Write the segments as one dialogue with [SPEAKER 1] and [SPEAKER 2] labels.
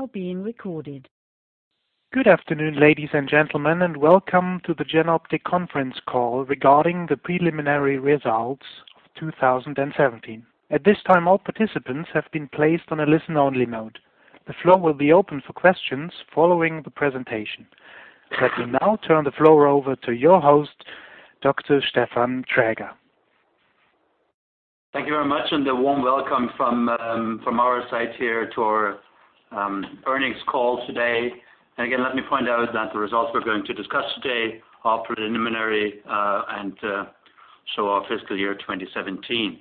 [SPEAKER 1] Now being recorded. Good afternoon, ladies and gentlemen, welcome to the Jenoptik conference call regarding the preliminary results of 2017. At this time, all participants have been placed on a listen-only mode. The floor will be open for questions following the presentation. I will now turn the floor over to your host, Dr. Stefan Traeger.
[SPEAKER 2] Thank you very much, a warm welcome from our side here to our earnings call today. Again, let me point out that the results we're going to discuss today are preliminary and show our fiscal year 2017.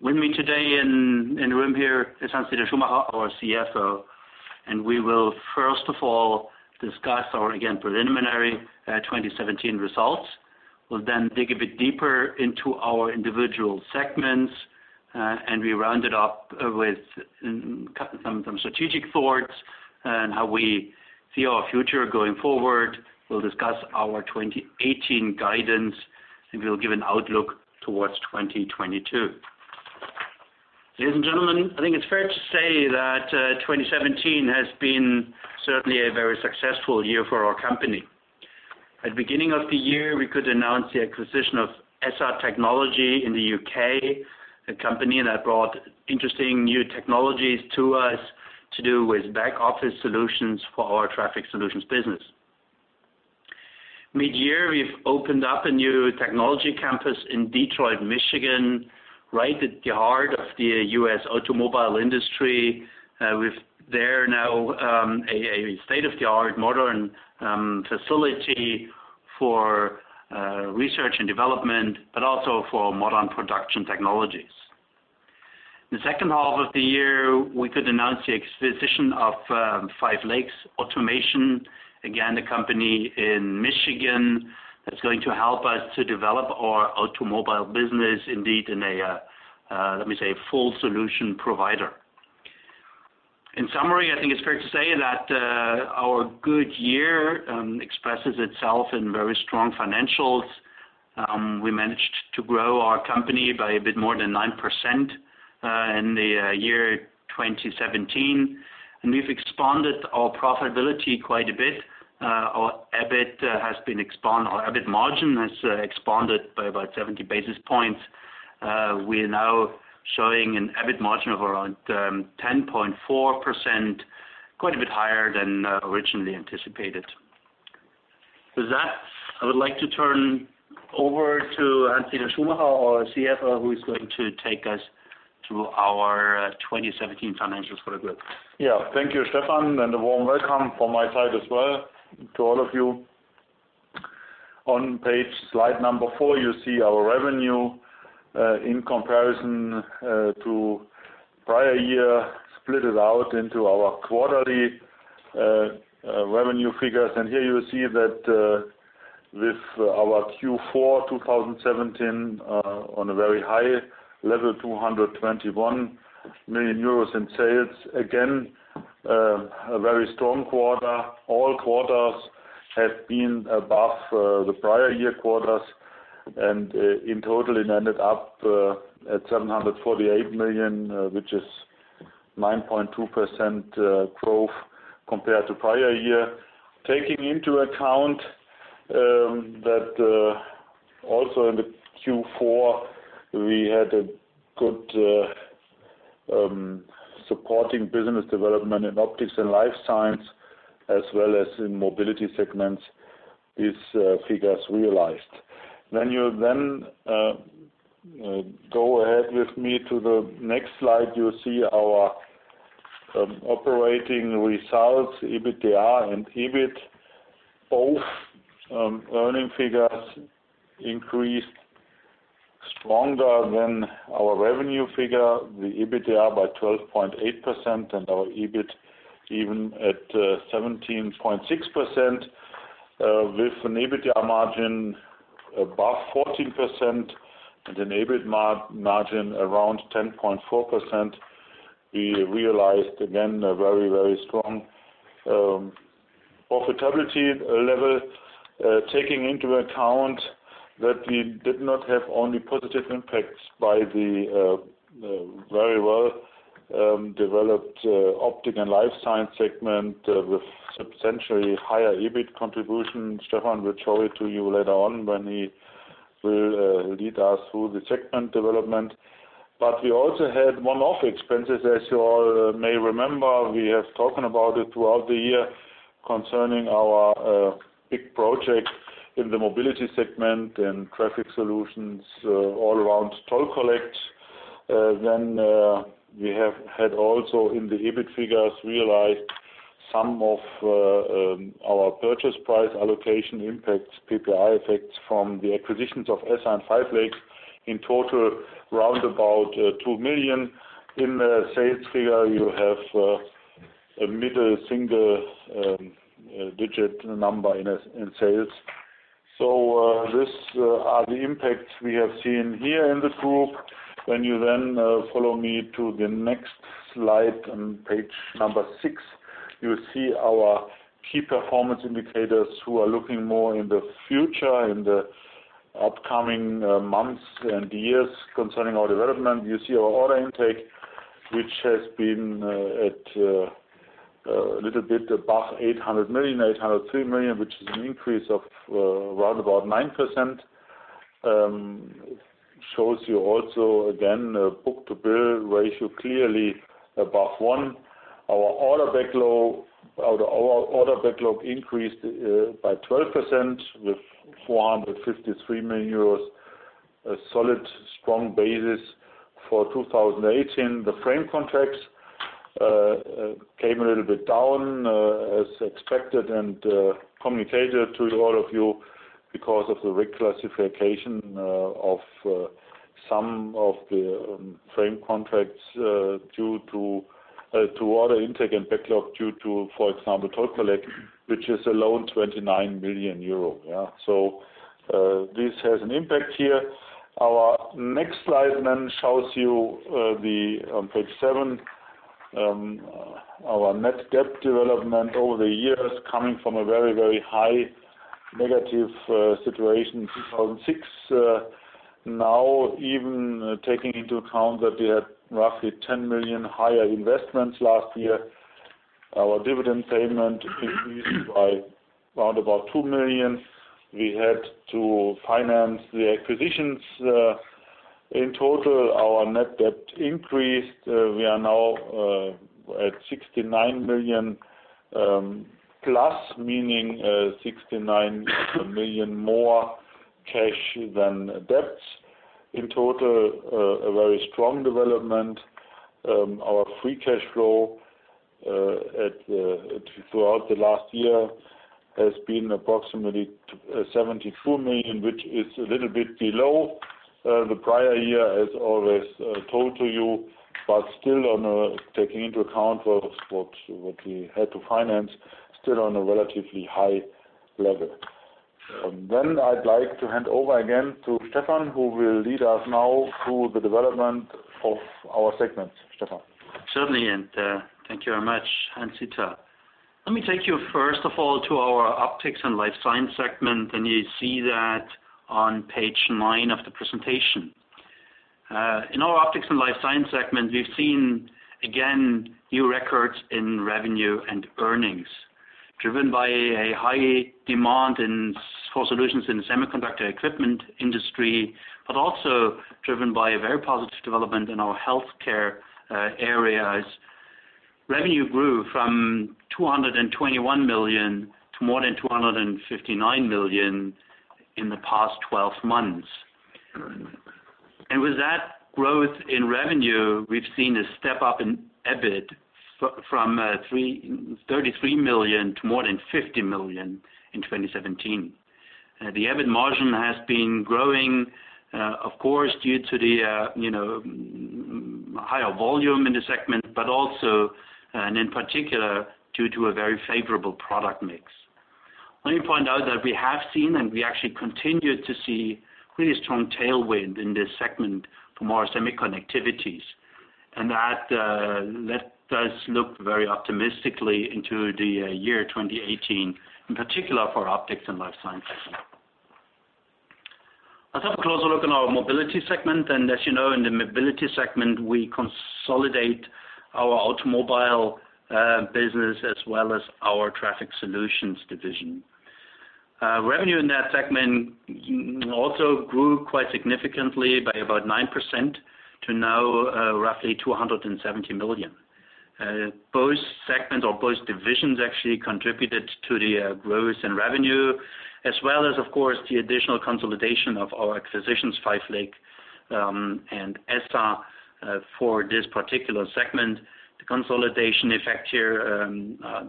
[SPEAKER 2] With me today in the room here is Hans-Dieter Schumacher, our CFO, we will first of all discuss our, again, preliminary 2017 results. We'll then dig a bit deeper into our individual segments, we round it up with some strategic thoughts on how we see our future going forward. We'll discuss our 2018 guidance, we'll give an outlook towards 2022. Ladies and gentlemen, I think it's fair to say that 2017 has been certainly a very successful year for our company. At the beginning of the year, we could announce the acquisition of SR Technology in the U.K., a company that brought interesting new technologies to us to do with back office solutions for our Traffic Solutions business. Mid-year, we've opened up a new technology campus in Detroit, Michigan, right at the heart of the U.S. automobile industry, with there now a state-of-the-art modern facility for research and development, but also for modern production technologies. In the second half of the year, we could announce the acquisition of Five Lakes Automation. Again, a company in Michigan that's going to help us to develop our automobile business, indeed, in a, let me say, full solution provider. In summary, I think it's fair to say that our good year expresses itself in very strong financials. We managed to grow our company by a bit more than 9% in the year 2017. We've expanded our profitability quite a bit. Our EBIT margin has expanded by about 70 basis points. We are now showing an EBIT margin of around 10.4%, quite a bit higher than originally anticipated. With that, I would like to turn over to Hans-Dieter Schumacher, our CFO, who is going to take us through our 2017 financials for the group.
[SPEAKER 3] Yeah. Thank you, Stefan, and a warm welcome from my side as well to all of you. On slide number four, you see our revenue in comparison to prior year, split it out into our quarterly revenue figures. Here you will see that with our Q4 2017 on a very high level, 221 million euros in sales. Again, a very strong quarter. All quarters have been above the prior year quarters. In total, it ended up at 748 million, which is 9.2% growth compared to prior year. Taking into account that also in the Q4, we had a good supporting business development in Optics and Life Science, as well as in Mobility segments, these figures realized. When you then go ahead with me to the next slide, you'll see our operating results, EBITDA and EBIT. Both earning figures increased stronger than our revenue figure, the EBITDA by 12.8% and our EBIT even at 17.6%, with an EBITDA margin above 14% and an EBIT margin around 10.4%. We realized again, a very strong profitability level, taking into account that we did not have only positive impacts by the very well-developed Optics and Life Science segment with substantially higher EBIT contribution. Stefan will show it to you later on when he will lead us through the segment development. We also had one-off expenses, as you all may remember. We have spoken about it throughout the year concerning our big project in the Mobility segment and Traffic Solutions all around Toll Collect. We have had also in the EBIT figures realized some of our purchase price allocation impacts, PPA effects from the acquisitions of SR and 5 Lakes. In total, around about 2 million. In the sales figure, you have a mid-single digit number in sales. These are the impacts we have seen here in the group. When you then follow me to the next slide on page number six, you will see our key performance indicators who are looking more in the future upcoming months and years concerning our development. You see our order intake, which has been at a little bit above 800 million, 803 million, which is an increase of around about 9%. Shows you also, again, a book-to-bill ratio clearly above one. Our order backlog increased by 12% with 453 million euros. A solid, strong basis for 2018. The frame contracts came a little bit down, as expected, and communicated to all of you, because of the reclassification of some of the frame contracts to order intake and backlog due to, for example, Toll Collect, which is alone 29 million euro. This has an impact here. Our next slide then shows you on page seven, our net debt development over the years, coming from a very, very high negative situation in 2006. Now, even taking into account that we had roughly 10 million higher investments last year, our dividend payment increased by around about 2 million. We had to finance the acquisitions. In total, our net debt increased. We are now at 69 million plus, meaning 69 million more cash than debt. In total, a very strong development. Our free cash flow throughout the last year has been approximately 74 million, which is a little bit below the prior year, as always told to you, but still, taking into account what we had to finance, still on a relatively high level. I'd like to hand over again to Stefan, who will lead us now through the development of our segments. Stefan?
[SPEAKER 2] Certainly, and thank you very much, Hans-Dieter. Let me take you first of all to our Optics & Life Science segment, and you see that on page nine of the presentation. In our Optics & Life Science segment, we've seen, again, new records in revenue and earnings, driven by a high demand for solutions in the semiconductor equipment industry, but also driven by a very positive development in our healthcare areas. Revenue grew from 221 million to more than 259 million in the past 12 months. With that growth in revenue, we've seen a step up in EBIT from 33 million to more than 50 million in 2017. The EBIT margin has been growing, of course, due to the higher volume in the segment, but also, and in particular, due to a very favorable product mix. Let me point out that we have seen, and we actually continue to see really strong tailwind in this segment from our semiconductor activities. That lets us look very optimistically into the year 2018, in particular for Optics & Life Science segment. Let's have a closer look in our Mobility segment. As you know, in the Mobility segment, we consolidate our automobile business as well as our Traffic Solutions division. Revenue in that segment also grew quite significantly by about 9% to now roughly 270 million. Both segments or both divisions actually contributed to the growth in revenue, as well as, of course, the additional consolidation of our acquisitions, Five Lakes and ESSA, for this particular segment. The consolidation effect here,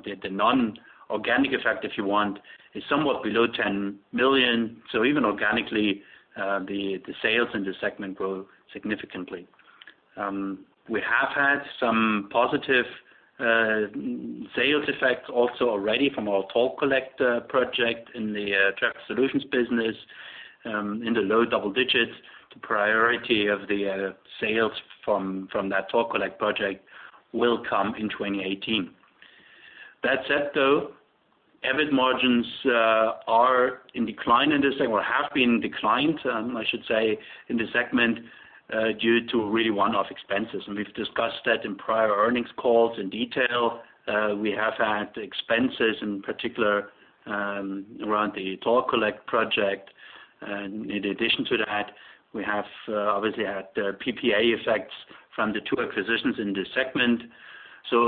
[SPEAKER 2] the non-organic effect, if you want, is somewhat below 10 million. Even organically, the sales in this segment grew significantly. We have had some positive sales effects also already from our Toll Collect project in the Traffic Solutions business, in the low double digits. The priority of the sales from that Toll Collect project will come in 2018. That said, though, EBIT margins are in decline in this segment, or have been declined, I should say, in this segment due to really one-off expenses. We've discussed that in prior earnings calls in detail. We have had expenses, in particular around the Toll Collect project. In addition to that, we have obviously had PPA effects from the two acquisitions in this segment.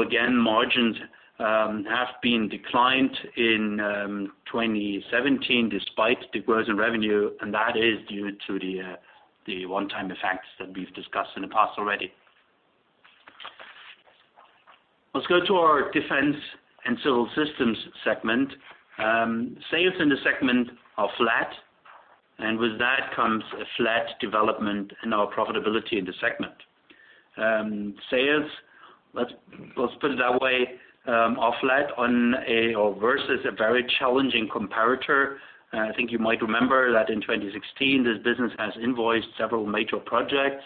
[SPEAKER 2] Again, margins have been declined in 2017 despite the growth in revenue, and that is due to the one-time effects that we've discussed in the past already. Let's go to our Defense & Civil Systems segment. Sales in the segment are flat. With that comes a flat development in our profitability in the segment. Sales, let's put it that way, are flat versus a very challenging comparator. I think you might remember that in 2016, this business has invoiced several major projects.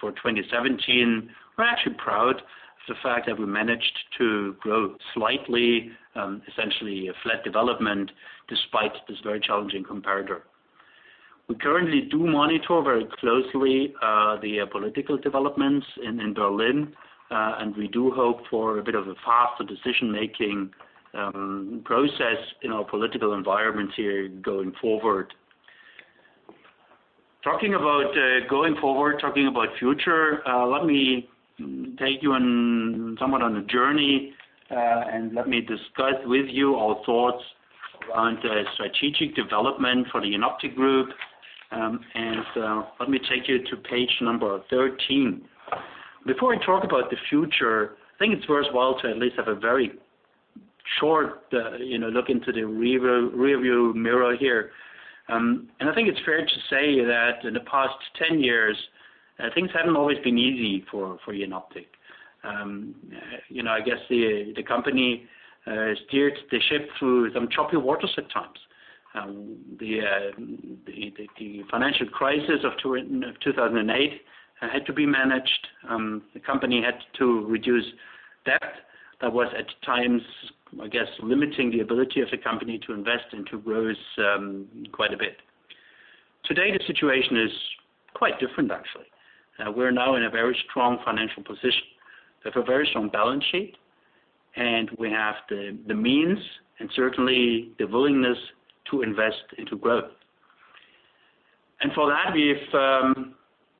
[SPEAKER 2] For 2017, we're actually proud of the fact that we managed to grow slightly, essentially a flat development despite this very challenging comparator. We currently do monitor very closely the political developments in Berlin. We do hope for a bit of a faster decision-making process in our political environment here going forward. Talking about going forward, talking about future, let me take you somewhat on a journey, and let me discuss with you our thoughts around strategic development for the Jenoptik Group. Let me take you to page 13. Before I talk about the future, I think it's worthwhile to at least have a very short look into the rearview mirror here. I think it's fair to say that in the past 10 years, things haven't always been easy for Jenoptik. I guess the company steered the ship through some choppy waters at times. The financial crisis of 2008 had to be managed. The company had to reduce debt that was at times, I guess, limiting the ability of the company to invest and to grow quite a bit. Today, the situation is quite different, actually. We're now in a very strong financial position with a very strong balance sheet. We have the means and certainly the willingness to invest into growth. For that, we've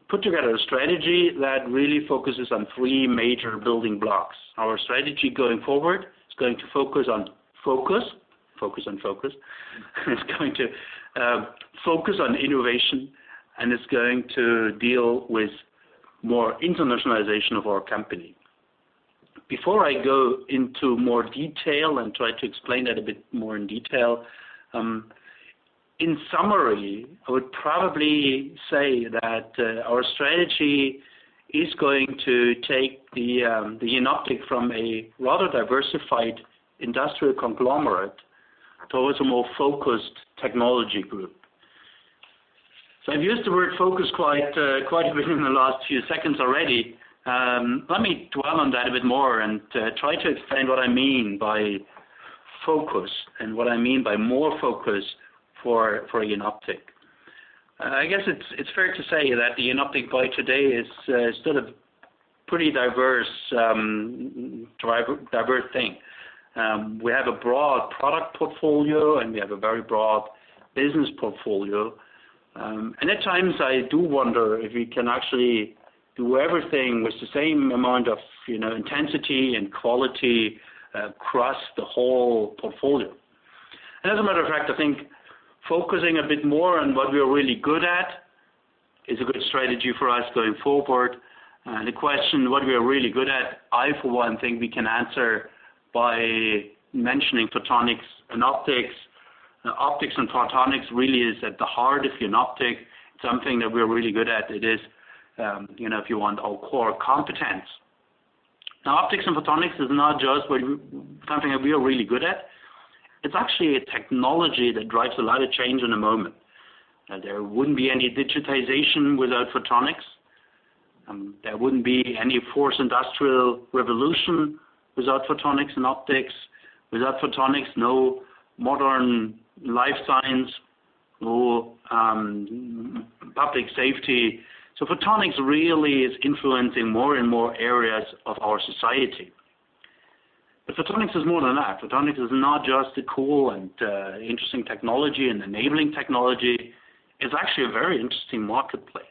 [SPEAKER 2] put together a strategy that really focuses on three major building blocks. Our strategy going forward is going to focus on focus. Focus on focus. It's going to focus on innovation. It's going to deal with more internationalization of our company. Before I go into more detail and try to explain that a bit more in detail, in summary, I would probably say that our strategy is going to take the Jenoptik from a rather diversified industrial conglomerate towards a more focused technology group. I've used the word focus quite a bit in the last few seconds already. Let me dwell on that a bit more and try to explain what I mean by focus and what I mean by more focus for Jenoptik. I guess it's fair to say that Jenoptik by today is still a pretty diverse thing. We have a broad product portfolio. We have a very broad business portfolio. At times, I do wonder if we can actually do everything with the same amount of intensity and quality across the whole portfolio. As a matter of fact, I think focusing a bit more on what we are really good at is a good strategy for us going forward. The question what we are really good at, I for one think we can answer by mentioning photonics and optics. Optics and photonics really is at the heart of Jenoptik, something that we're really good at. It is, if you want, our core competence. Optics and photonics is not just something that we are really good at. It's actually a technology that drives a lot of change in the moment. There wouldn't be any digitization without photonics. There wouldn't be any fourth industrial revolution without photonics and optics. Without photonics, no modern life science, no public safety. Photonics really is influencing more and more areas of our society. Photonics is more than that. Photonics is not just a cool and interesting technology, an enabling technology. It's actually a very interesting marketplace.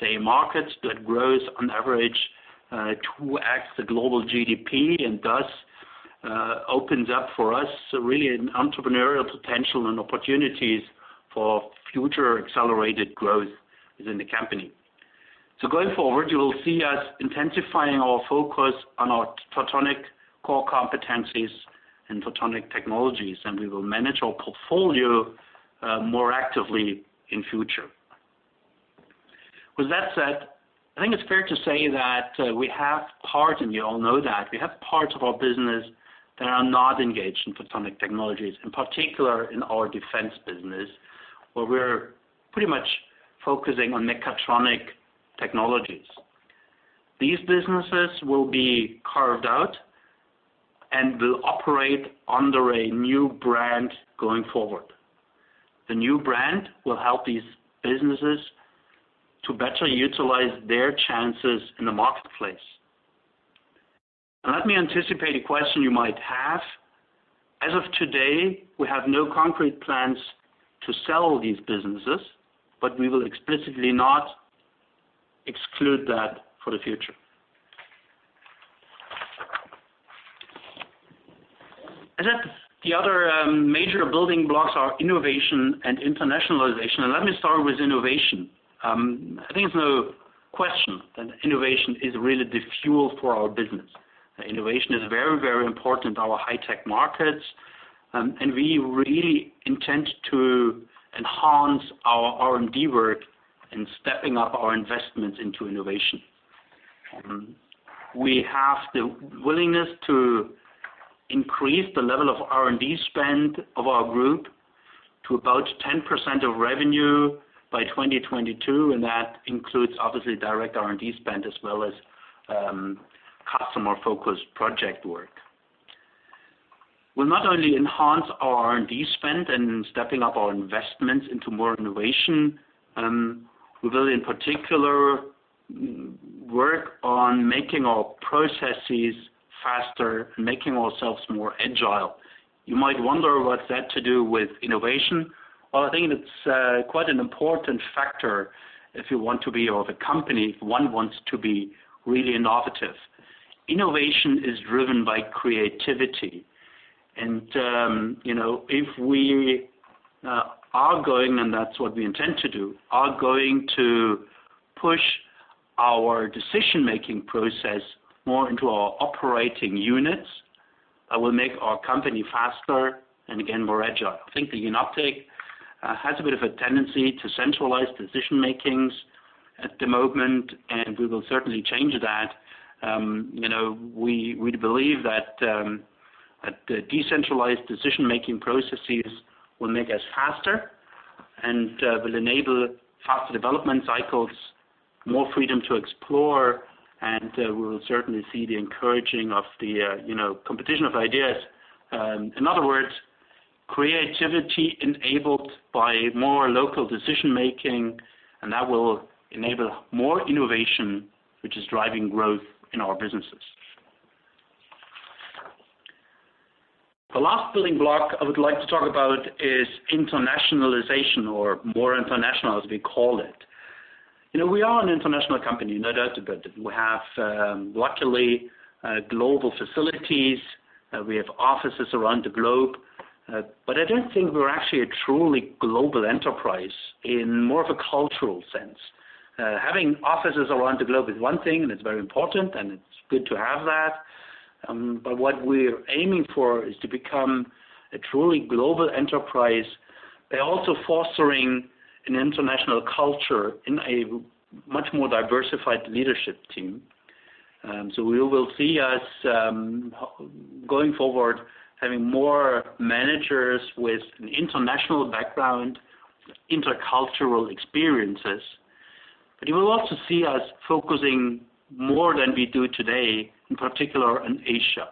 [SPEAKER 2] It's a market that grows on average 2x the global GDP, and thus opens up for us really an entrepreneurial potential and opportunities for future accelerated growth within the company. Going forward, you will see us intensifying our focus on our photonic core competencies and photonic technologies, and we will manage our portfolio more actively in future. With that said, I think it's fair to say that we have part, and you all know that, we have parts of our business that are not engaged in photonic technologies, in particular in our defense business, where we're pretty much focusing on mechatronic technologies. These businesses will be carved out and will operate under a new brand going forward. The new brand will help these businesses to better utilize their chances in the marketplace. Let me anticipate a question you might have. As of today, we have no concrete plans to sell these businesses, but we will explicitly not exclude that for the future. The other major building blocks are innovation and internationalization, and let me start with innovation. I think it's no question that innovation is really the fuel for our business. Innovation is very, very important in our high-tech markets, and we really intend to enhance our R&D work in stepping up our investments into innovation. We have the willingness to increase the level of R&D spend of our group to about 10% of revenue by 2022, and that includes obviously direct R&D spend as well as customer-focused project work. We'll not only enhance our R&D spend and stepping up our investments into more innovation. We will, in particular, work on making our processes faster, making ourselves more agile. You might wonder what's that to do with innovation. I think it's quite an important factor if one wants to be really innovative. Innovation is driven by creativity and if we are going to push our decision-making process more into our operating units, that will make our company faster and again, more agile. I think that Jenoptik has a bit of a tendency to centralize decision-makings at the moment, and we will certainly change that. We believe that the decentralized decision-making processes will make us faster and will enable faster development cycles, more freedom to explore, and we will certainly see the encouraging of the competition of ideas. In other words, creativity enabled by more local decision-making, and that will enable more innovation, which is driving growth in our businesses. The last building block I would like to talk about is internationalization or more international, as we call it. We are an international company, no doubt about it. We have, luckily, global facilities. We have offices around the globe. I don't think we're actually a truly global enterprise in more of a cultural sense. Having offices around the globe is one thing, and it's very important and it's good to have that. What we're aiming for is to become a truly global enterprise by also fostering an international culture in a much more diversified leadership team. You will see us, going forward, having more managers with an international background, intercultural experiences. You will also see us focusing more than we do today, in particular, in Asia.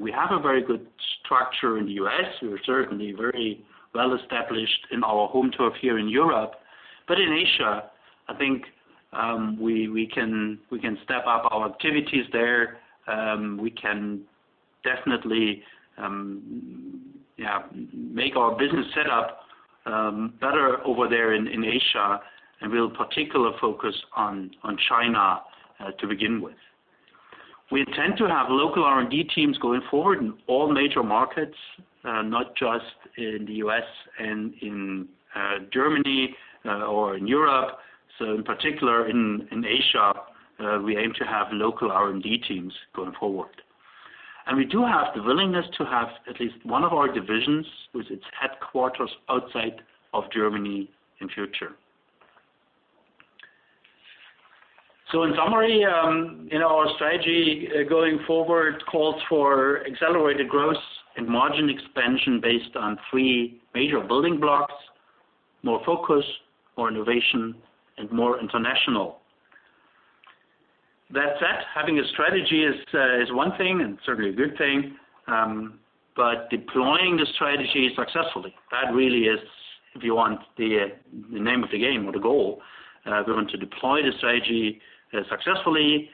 [SPEAKER 2] We have a very good structure in the U.S. We are certainly very well established in our home turf here in Europe. In Asia, I think we can step up our activities there. We can definitely make our business set up better over there in Asia, and we'll particular focus on China to begin with. We intend to have local R&D teams going forward in all major markets, not just in the U.S. and in Germany or in Europe. In particular in Asia, we aim to have local R&D teams going forward. We do have the willingness to have at least one of our divisions with its headquarters outside of Germany in future. In summary, our strategy going forward calls for accelerated growth and margin expansion based on three major building blocks: more focus, more innovation, and more international. That said, having a strategy is one thing and certainly a good thing. Deploying the strategy successfully, that really is, if you want the name of the game or the goal. We want to deploy the strategy successfully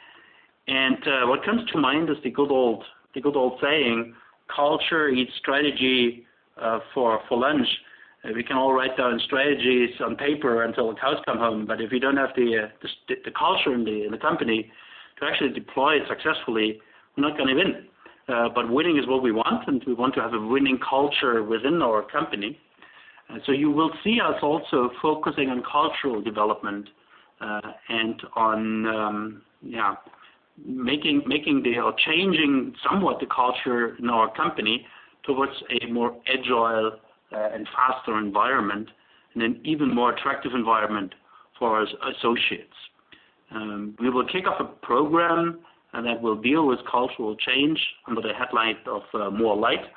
[SPEAKER 2] and what comes to mind is the good old saying, "Culture eats strategy for lunch." We can all write down strategies on paper until the cows come home. If you don't have the culture in the company to actually deploy it successfully, we're not going to win. Winning is what we want, and we want to have a winning culture within our company. You will see us also focusing on cultural development, and on making or changing somewhat the culture in our company towards a more agile and faster environment and an even more attractive environment for our associates. We will kick off a program that will deal with cultural change under the headline of More Light.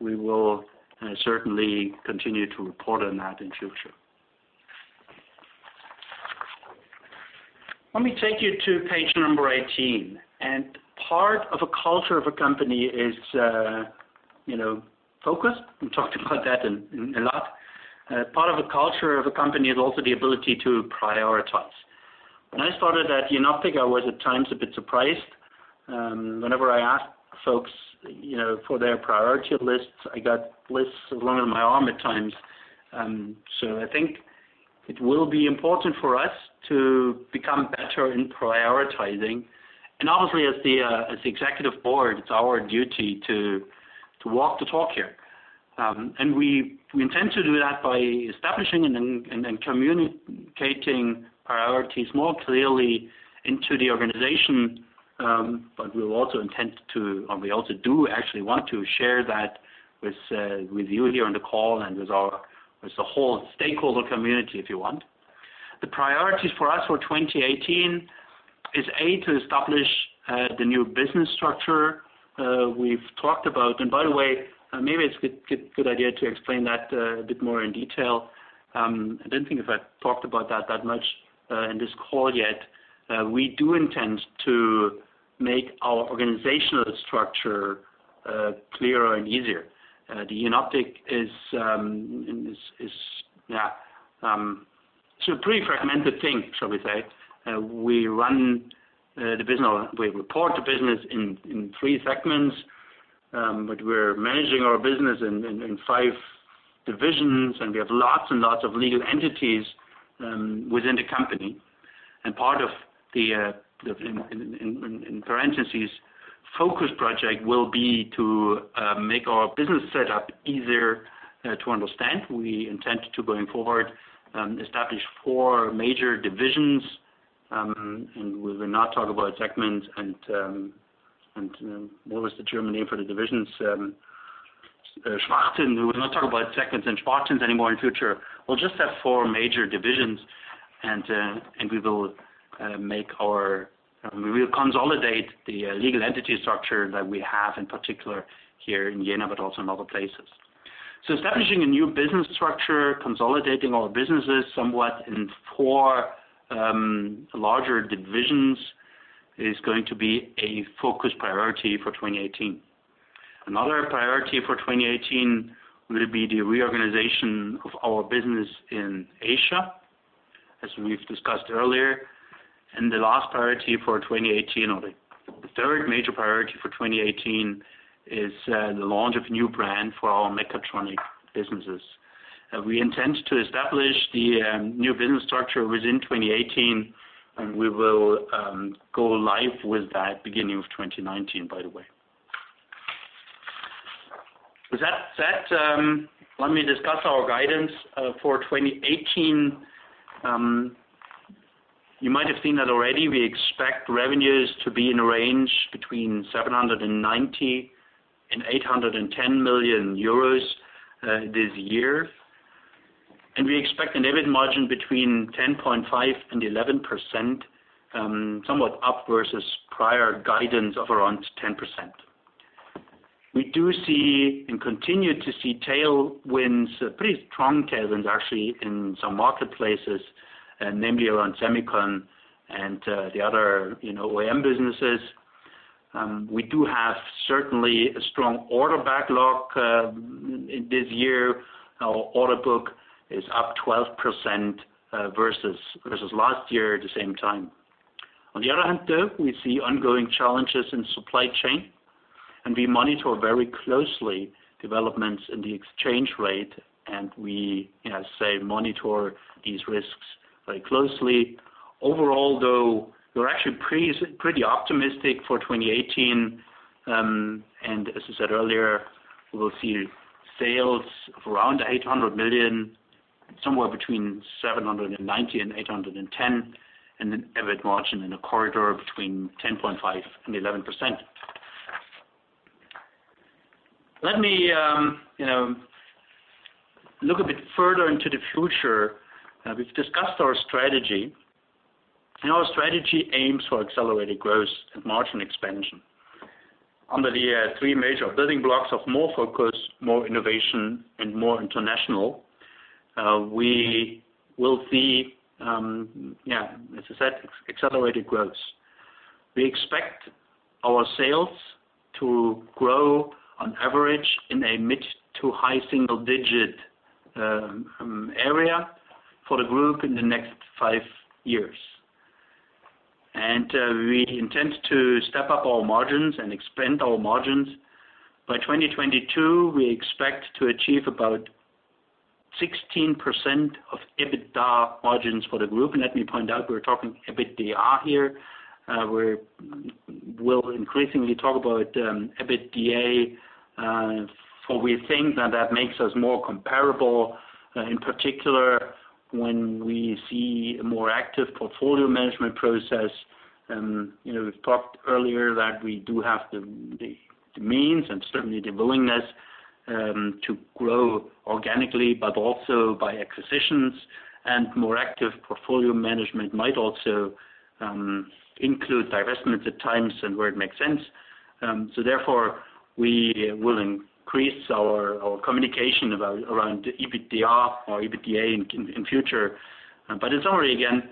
[SPEAKER 2] We will certainly continue to report on that in future. Let me take you to page number 18. Part of a culture of a company is focus. We talked about that a lot. Part of a culture of a company is also the ability to prioritize. When I started at Jenoptik, I was at times a bit surprised. Whenever I asked folks for their priority lists, I got lists as long as my arm at times. I think it will be important for us to become better in prioritizing. Obviously as the executive board, it's our duty to walk the talk here. We intend to do that by establishing and then communicating priorities more clearly into the organization. We also do actually want to share that with you here on the call and with the whole stakeholder community, if you want. The priorities for us for 2018 is, A, to establish the new business structure we've talked about. By the way, maybe it's a good idea to explain that a bit more in detail. I don't think I've talked about that that much in this call yet. We do intend to make our organizational structure clearer and easier. The Jenoptik is a pretty fragmented thing, shall we say. We run the business, or we report the business in three segments, but we are managing our business in five divisions, and we have lots and lots of legal entities within the company. Part of the, in parentheses, focus project will be to make our business setup easier to understand. We intend to, going forward, establish four major divisions. We will not talk about segments. What was the German name for the divisions? Sparten. We will not talk about segments and Sparten anymore in future. We will just have four major divisions, and we will consolidate the legal entity structure that we have, in particular here in Jena, but also in other places. Establishing a new business structure, consolidating all businesses somewhat in four larger divisions is going to be a focus priority for 2018. Another priority for 2018 will be the reorganization of our business in Asia, as we have discussed earlier. The last priority for 2018, or the third major priority for 2018, is the launch of a new brand for our mechatronic businesses. We intend to establish the new business structure within 2018, and we will go live with that beginning of 2019, by the way. With that said, let me discuss our guidance for 2018. You might have seen that already. We expect revenues to be in a range between 790 million and 810 million euros this year. We expect an EBIT margin between 10.5% and 11%, somewhat up versus prior guidance of around 10%. We do see, and continue to see, pretty strong tailwinds, actually, in some marketplaces, namely around semicon and the other OEM businesses. We do have certainly a strong order backlog this year. Our order book is up 12% versus last year at the same time. On the other hand, though, we see ongoing challenges in supply chain, and we monitor very closely developments in the exchange rate, and we monitor these risks very closely. Overall, though, we are actually pretty optimistic for 2018. As I said earlier, we will see sales of around 800 million, somewhere between 790 million and 810 million, and an EBIT margin in a corridor between 10.5% and 11%. Let me look a bit further into the future. We have discussed our strategy, and our strategy aims for accelerated growth and margin expansion. Under the three major building blocks of more focus, more innovation, and more international, we will see, as I said, accelerated growth. We expect our sales to grow on average in a mid to high single-digit area for the group in the next five years. We intend to step up our margins and expand our margins. By 2022, we expect to achieve about 16% of EBITDA margins for the group. Let me point out, we are talking EBITDAR here. We will increasingly talk about EBITDA, for we think that that makes us more comparable, in particular when we see a more active portfolio management process. We have talked earlier that we do have the means and certainly the willingness to grow organically, but also by acquisitions, and more active portfolio management might also include divestments at times and where it makes sense. Therefore, we will increase our communication around the EBITDAR or EBITDA in future. In summary again,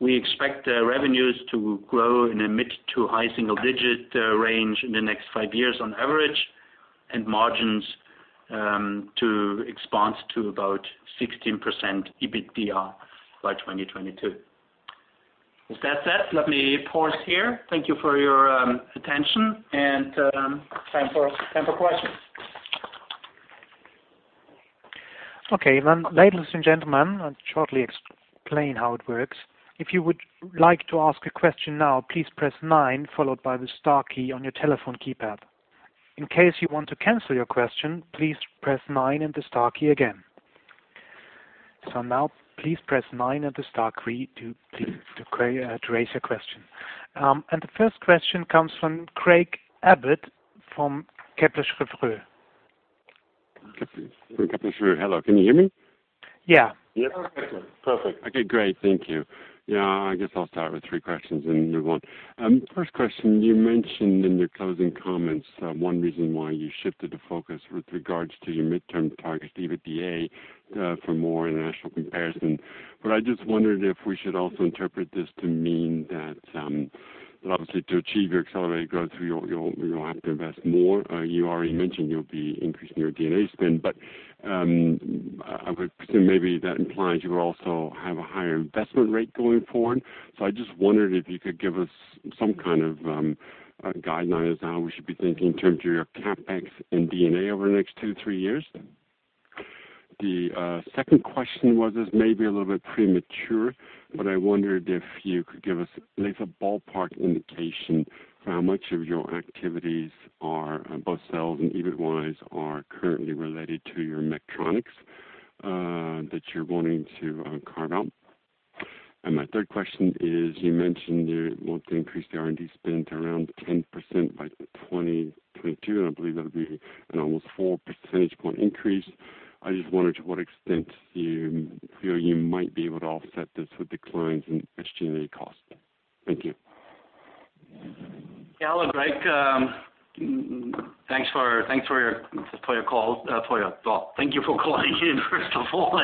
[SPEAKER 2] we expect revenues to grow in a mid to high single-digit range in the next five years on average, and margins to expand to about 16% EBITDAR by 2022. With that said, let me pause here. Thank you for your attention, time for questions.
[SPEAKER 1] Okay. Ladies and gentlemen, I'll shortly explain how it works. If you would like to ask a question now, please press 9 followed by the star key on your telephone keypad. In case you want to cancel your question, please press 9 and the star key again. Now please press 9 and the star key to raise your question. The first question comes from Craig Abbott from Kepler Cheuvreux.
[SPEAKER 4] Kepler Cheuvreux. Hello, can you hear me?
[SPEAKER 1] Yeah.
[SPEAKER 4] Yeah. Perfect. Okay, great. Thank you. Yeah. I guess I'll start with three questions and move on. First question, you mentioned in your closing comments, one reason why you shifted the focus with regards to your midterm targets, EBITDA, for more international comparison. I just wondered if we should also interpret this to mean that, obviously to achieve your accelerated growth, you'll have to invest more. You already mentioned you'll be increasing your D&A spend, I would presume maybe that implies you will also have a higher investment rate going forward. I just wondered if you could give us some kind of guideline as how we should be thinking in terms of your CapEx and D&A over the next two to three years. The second question was, this may be a little bit premature, but I wondered if you could give us at least a ballpark indication for how much of your activities are both sales and EBIT wise are currently related to your mechatronics, that you're wanting to carve out. My third question is, you mentioned you want to increase the R&D spend to around 10% by 2022, and I believe that'll be an almost four percentage point increase. I just wondered to what extent you feel you might be able to offset this with declines in SG&A costs. Thank you.
[SPEAKER 2] Yeah. Hello, Craig. Thanks for your call. Thank you for calling in, first of all,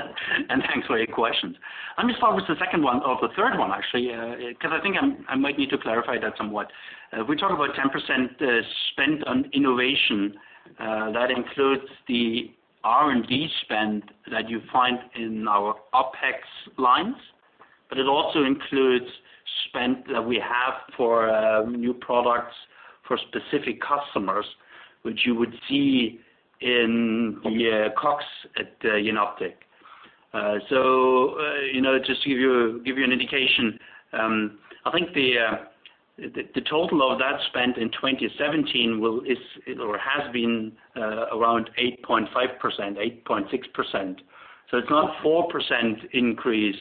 [SPEAKER 2] and thanks for your questions. Let me start with the second one or the third one actually, because I think I might need to clarify that somewhat. We talk about 10% spend on innovation. That includes the R&D spend that you find in our OPEX lines, but it also includes spend that we have for new products for specific customers, which you would see in the COGS at Jenoptik. Just to give you an indication, I think the total of that spend in 2017 has been around 8.5%, 8.6%. It's not 4% increase,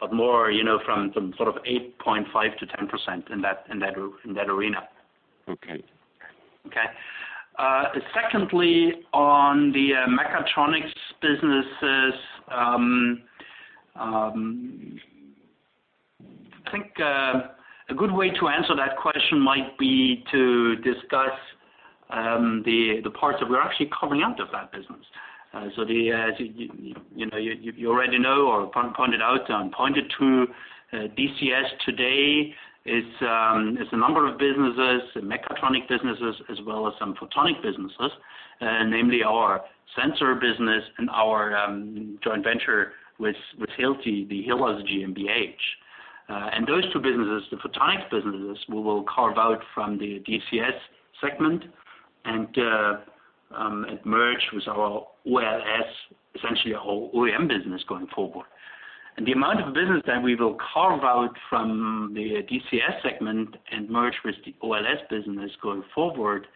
[SPEAKER 2] but more from sort of 8.5% to 10% in that arena.
[SPEAKER 4] Okay.
[SPEAKER 2] Okay. Secondly, on the mechatronics businesses, I think a good way to answer that question might be to discuss the parts that we're actually carving out of that business. You already know or pointed out and pointed to DCS today is a number of businesses, the mechatronics businesses, as well as some photonic businesses, namely our sensor business and our joint venture with Hilti, the Hillos GmbH. Those two businesses, the photonics businesses, we will carve out from the DCS segment and merge with our OLS, essentially our whole OEM business going forward. The amount of business that we will carve out from the DCS segment and merge with the OLS business going forward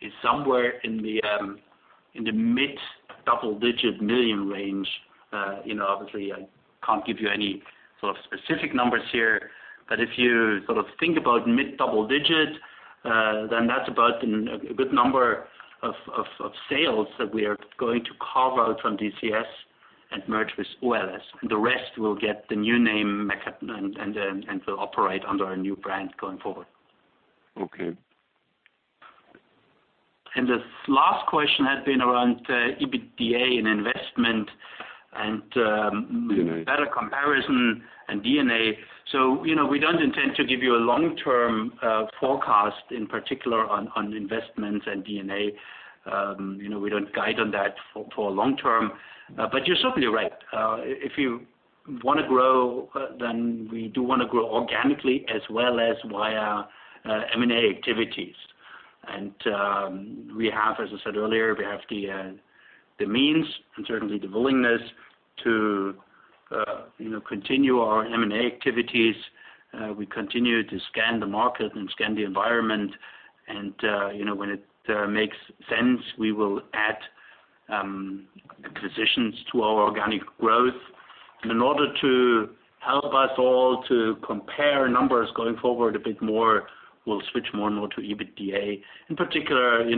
[SPEAKER 2] is somewhere in the mid double digit million range. Obviously, I can't give you any sort of specific numbers here, but if you think about mid double digit EUR million, that's about a good number of sales that we are going to carve out from DCS and merge with OLS, the rest will get the new name and will operate under a new brand going forward.
[SPEAKER 4] Okay.
[SPEAKER 2] The last question had been around EBITDA and investment.
[SPEAKER 4] D&A
[SPEAKER 2] better comparison and D&A. We don't intend to give you a long-term forecast in particular on investments and D&A. We don't guide on that for long term. You're certainly right. If you want to grow, then we do want to grow organically as well as via M&A activities. We have, as I said earlier, we have the means and certainly the willingness to continue our M&A activities. We continue to scan the market and scan the environment and when it makes sense, we will add acquisitions to our organic growth. In order to help us all to compare numbers going forward a bit more, we'll switch more and more to EBITDA. In particular, we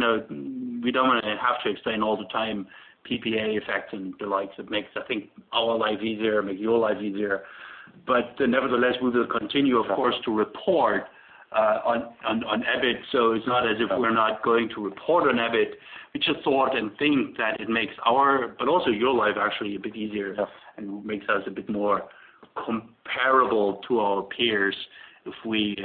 [SPEAKER 2] don't want to have to explain all the time PPA effects and the likes. It makes, I think, our lives easier, make your lives easier. Nevertheless, we will continue, of course, to report on EBIT. It's not as if we're not going to report on EBIT. We just thought and think that it makes our, but also your life actually a bit easier and makes us a bit more comparable to our peers if we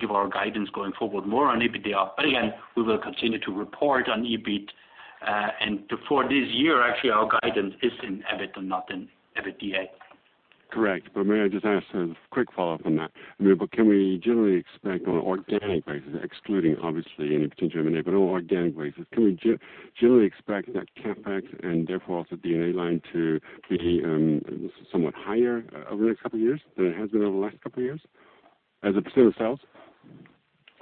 [SPEAKER 2] give our guidance going forward more on EBITDA. Again, we will continue to report on EBIT. For this year, actually, our guidance is in EBIT and not in EBITDA.
[SPEAKER 4] Correct. May I just ask a quick follow-up on that? Can we generally expect on an organic basis, excluding obviously anything to do with M&A, but on an organic basis, can we generally expect that CapEx and therefore also D&A line to be somewhat higher over the next couple of years than it has been over the last couple of years as a % of sales?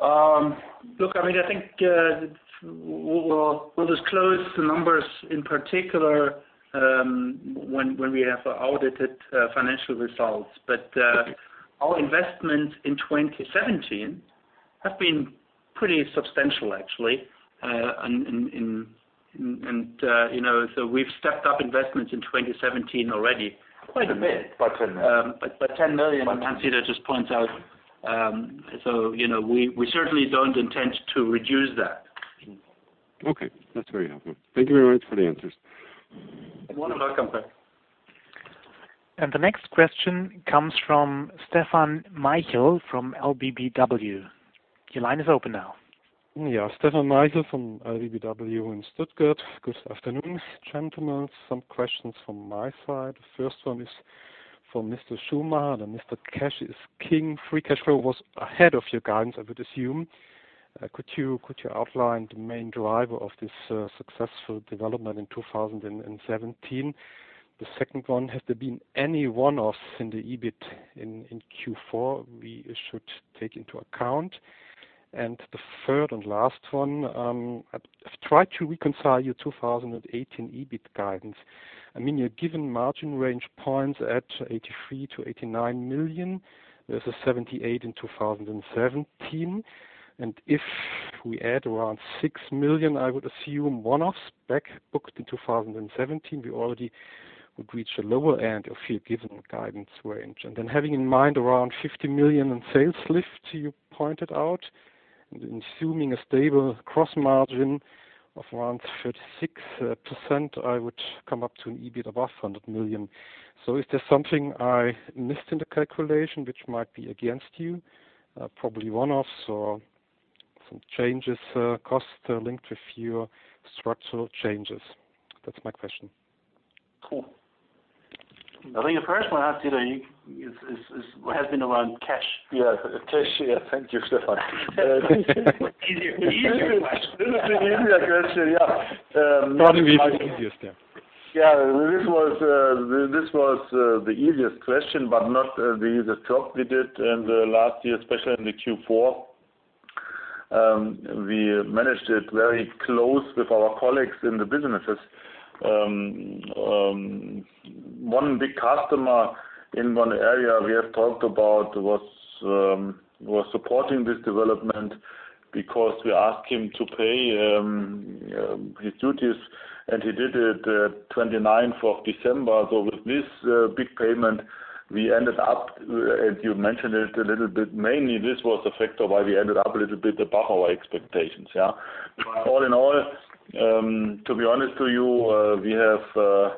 [SPEAKER 2] I think we'll disclose the numbers in particular when we have audited financial results. Our investments in 2017 have been pretty substantial, actually. We've stepped up investments in 2017 already.
[SPEAKER 3] Quite a bit.
[SPEAKER 2] 10 million, Hans-Dieter just points out. We certainly don't intend to reduce that.
[SPEAKER 4] Okay. That's very helpful. Thank you very much for the answers.
[SPEAKER 2] You're welcome.
[SPEAKER 1] The next question comes from Stefan Maichl from LBBW. Your line is open now.
[SPEAKER 5] Stefan Maichl from LBBW in Stuttgart. Good afternoon, gentlemen. Some questions from my side. The first one is for Mr. Schumacher. Mr. Cash is king. Free cash flow was ahead of your guidance, I would assume. Could you outline the main driver of this successful development in 2017? The second one, has there been any one-offs in the EBIT in Q4 we should take into account? The third and last one, I've tried to reconcile your 2018 EBIT guidance. Your given margin range points at 83 million-89 million versus 78 million in 2017. If we add around 6 million, I would assume one-offs back booked in 2017, we already would reach a lower end of your given guidance range. Having in mind around 50 million in sales lift you pointed out, and assuming a stable gross margin of around 36%, I would come up to an EBIT above 100 million. Is there something I missed in the calculation, which might be against you? Probably one-offs or some changes, costs linked with your structural changes. That's my question.
[SPEAKER 2] Cool. I think the first one, Hans-Peter, has been around cash.
[SPEAKER 3] Yeah. Cash. Thank you, Stefan.
[SPEAKER 2] Easier question.
[SPEAKER 3] This is an easier question, yeah.
[SPEAKER 5] Thought it'd be the easiest, yeah.
[SPEAKER 3] Yeah. This was the easiest question, but not the easiest job we did in the last year, especially in the Q4. We managed it very close with our colleagues in the businesses. One big customer in one area we have talked about was supporting this development because we asked him to pay his duties, and he did it 29th of December. With this big payment, we ended up, as you mentioned it a little bit, mainly this was the factor why we ended up a little bit above our expectations, yeah. All in all, to be honest to you, we have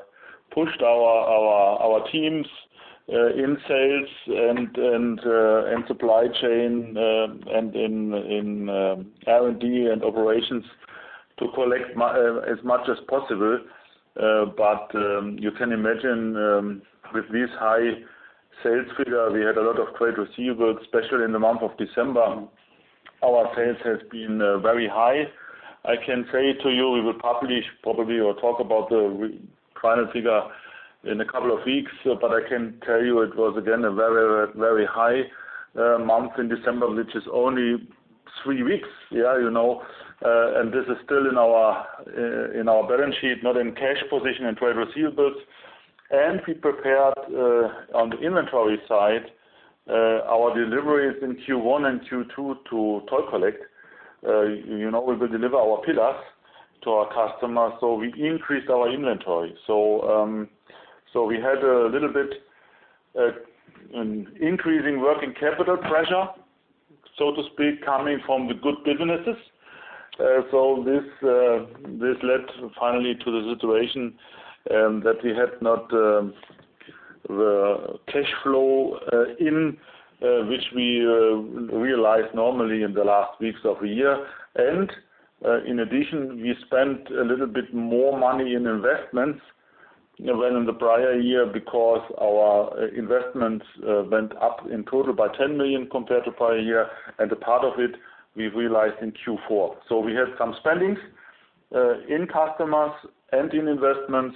[SPEAKER 3] pushed our teams in sales and supply chain and in R&D and operations to collect as much as possible. You can imagine with this high sales figure, we had a lot of trade receivables, especially in the month of December. Our sales has been very high. I can say to you, we will probably talk about the final figure in a couple of weeks, but I can tell you it was again, a very high month in December, which is only three weeks. Yeah. This is still in our balance sheet, not in cash position and trade receivables. We prepared on the inventory side our deliveries in Q1 and Q2 to Toll Collect. We will deliver our pillars to our customers, we increased our inventory. We had a little bit an increase in working capital pressure, so to speak, coming from the good businesses. This led finally to the situation that we had not the cash flow in which we realized normally in the last weeks of a year. In addition, we spent a little bit more money in investments than in the prior year because our investments went up in total by 10 million compared to prior year. A part of it we realized in Q4. We had some spendings in customers and in investments.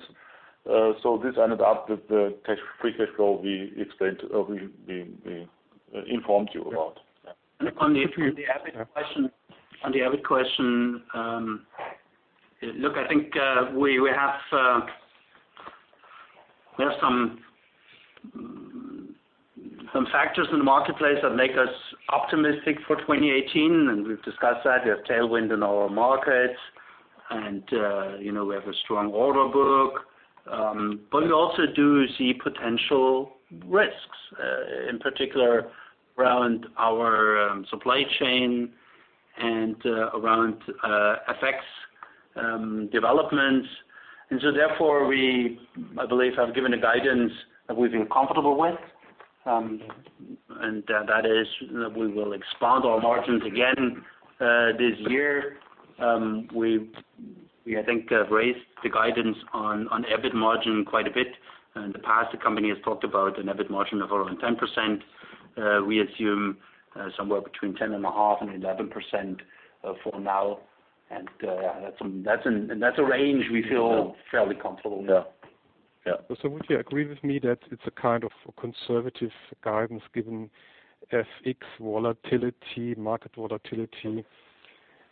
[SPEAKER 3] This ended up with the free cash flow we informed you about. Yeah.
[SPEAKER 2] On the EBIT question. We have some factors in the marketplace that make us optimistic for 2018, and we've discussed that. We have tailwind in our markets and we have a strong order book. We also do see potential risks, in particular around our supply chain and around FX developments. We, I believe, have given a guidance that we've been comfortable with. That is that we will expand our margins again this year. We, I think, have raised the guidance on EBIT margin quite a bit. In the past, the company has talked about an EBIT margin of around 10%. We assume somewhere between 10.5% and 11% for now. That's a range we feel fairly comfortable with.
[SPEAKER 5] Would you agree with me that it's a kind of conservative guidance given FX volatility, market volatility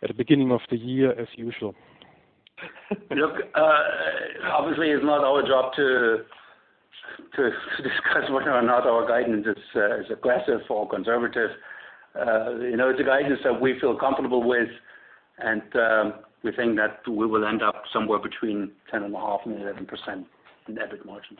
[SPEAKER 5] at the beginning of the year as usual?
[SPEAKER 2] Obviously it's not our job to discuss whether or not our guidance is aggressive or conservative. It's a guidance that we feel comfortable with, and we think that we will end up somewhere between 10.5% and 11% in EBIT margins.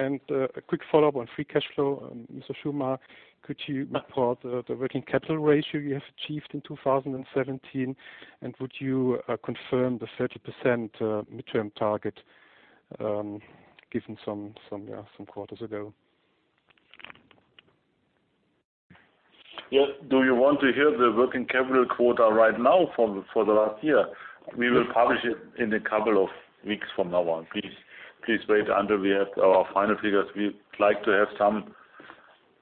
[SPEAKER 5] A quick follow-up on free cash flow, Mr. Schumacher. Could you report the working capital ratio you have achieved in 2017, and would you confirm the 30% midterm target, given some quarters ago?
[SPEAKER 3] Yes. Do you want to hear the working capital quota right now for the last year? We will publish it in a couple of weeks from now on. Please wait until we have our final figures. We'd like to have some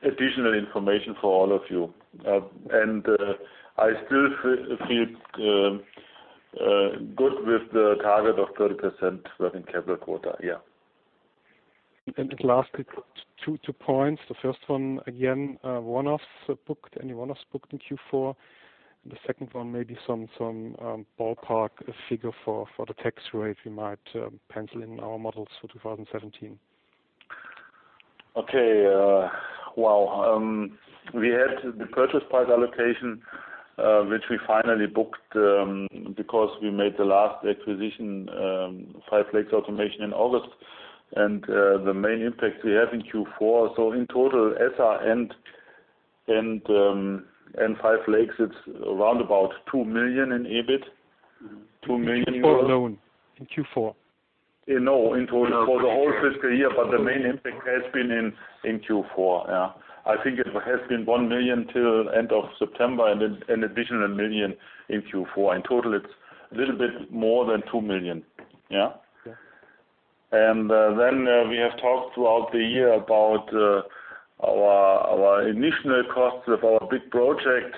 [SPEAKER 3] additional information for all of you. I still feel good with the target of 30% working capital quota.
[SPEAKER 5] Lastly, 2 points. The first one, again, one-offs booked. Any one-offs booked in Q4? The second one may be some ballpark figure for the tax rate we might pencil in our models for 2017.
[SPEAKER 3] We had the purchase price allocation, which we finally booked, because we made the last acquisition, Five Lakes Automation, in August. The main impact we have in Q4. In total, SR and 5 Lakes, it's around about 2 million in EBIT.
[SPEAKER 5] In Q4 alone.
[SPEAKER 3] No, in total. For the whole fiscal year, the main impact has been in Q4. Yeah. I think it has been 1 million till end of September and then an additional 1 million in Q4. In total, it's a little bit more than 2 million. Yeah?
[SPEAKER 5] Yeah.
[SPEAKER 3] We have talked throughout the year about our initial costs of our big project.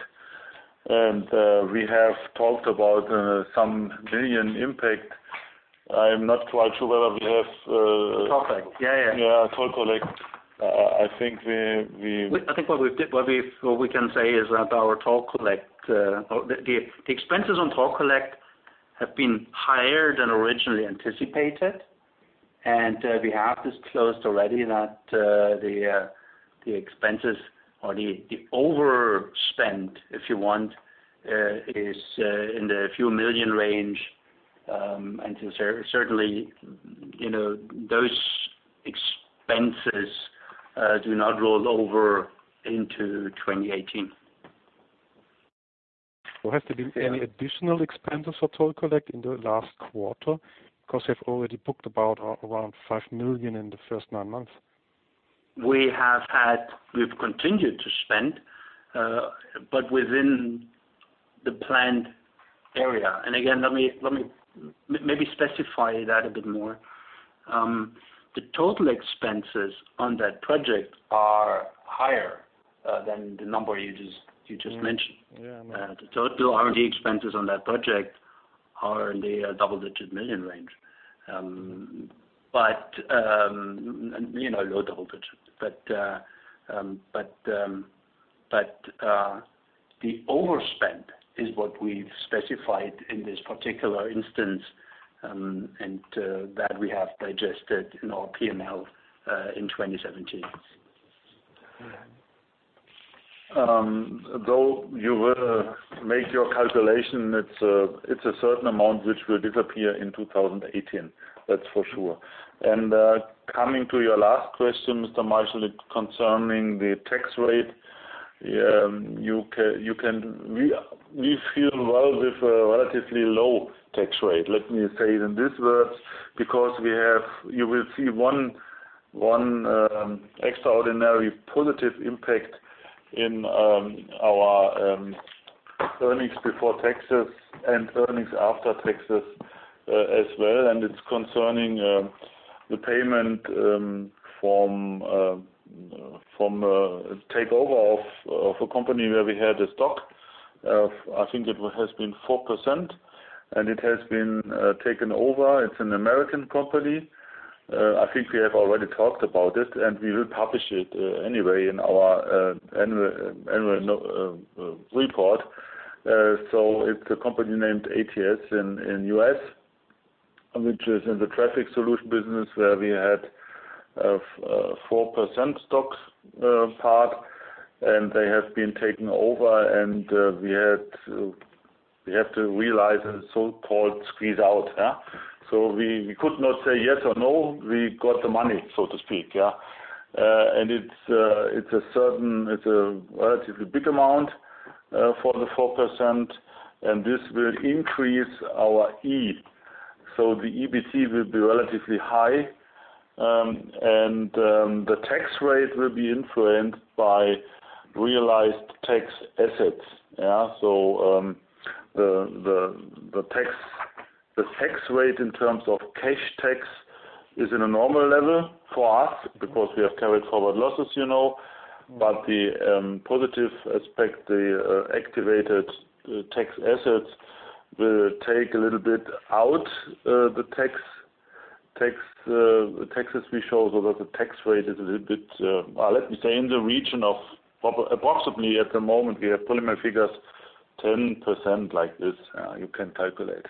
[SPEAKER 3] We have talked about some million impact. I am not quite sure whether we have-
[SPEAKER 2] Toll Collect. Yeah.
[SPEAKER 3] Yeah, Toll Collect. I think we-
[SPEAKER 2] what we can say is that our Toll Collect-- the expenses on Toll Collect have been higher than originally anticipated. We have this closed already that the expenses or the overspend, if you want, is in the few million EUR range. Certainly, those expenses do not roll over into 2018.
[SPEAKER 5] Has there been any additional expenses for Toll Collect in the last quarter? Because you have already booked about around 5 million in the first nine months.
[SPEAKER 2] We've continued to spend, but within the planned area. Again, let me maybe specify that a bit more. The total expenses on that project are higher than the number you just mentioned.
[SPEAKER 5] Yeah.
[SPEAKER 2] The total R&D expenses on that project are in the double-digit million EUR range. Low double digit. The overspend is what we've specified in this particular instance, and that we have digested in our P&L, in 2017.
[SPEAKER 5] Yeah.
[SPEAKER 3] Though you will make your calculation, it's a certain amount which will disappear in 2018, that's for sure. Coming to your last question, Mr. Maichl, concerning the tax rate. We feel well with a relatively low tax rate, let me say it in these words. Because you will see one extraordinary positive impact in our earnings before taxes and earnings after taxes as well, and it's concerning the payment from a takeover of a company where we had a stock. I think it has been 4%, and it has been taken over. It's an American company. I think we have already talked about it, and we will publish it anyway in our annual report. It's a company named ATS in U.S., which is in the Traffic Solutions business, where we had a 4% stock part, and they have been taken over and we have to realize a so-called squeeze-out. We could not say yes or no. We got the money, so to speak. It's a relatively big amount for the 4%, and this will increase our E. The EBT will be relatively high. The tax rate will be influenced by realized tax assets. The tax rate in terms of cash tax is in a normal level for us because we have carried forward losses. The positive aspect, the activated tax assets will take a little bit out the tax as we show, so that the tax rate is a little bit. Let me say in the region of approximately at the moment, we have preliminary figures, 10% like this. You can calculate.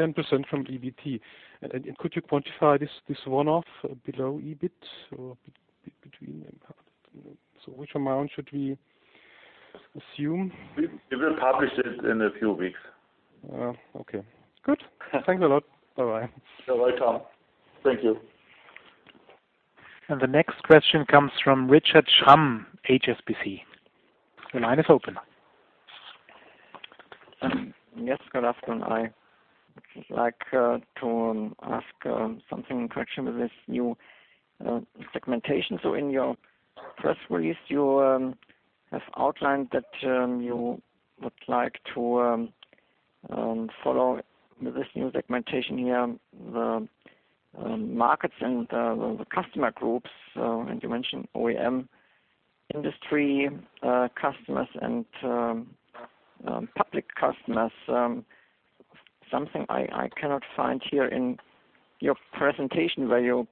[SPEAKER 5] 10% from EBT. Could you quantify this one-off below EBIT? Between impact. Which amount should we assume?
[SPEAKER 3] We will publish it in a few weeks.
[SPEAKER 5] Oh, okay. Good. Thanks a lot. Bye-bye.
[SPEAKER 3] You're welcome. Thank you.
[SPEAKER 1] The next question comes from Richard Schramm, HSBC. Your line is open.
[SPEAKER 6] Yes. Good afternoon. I would like to ask something in connection with this new segmentation. In your press release, you have outlined that you would like to follow this new segmentation here, the markets and the customer groups. You mentioned OEM industry customers and public customers. Something I cannot find here in your presentation where you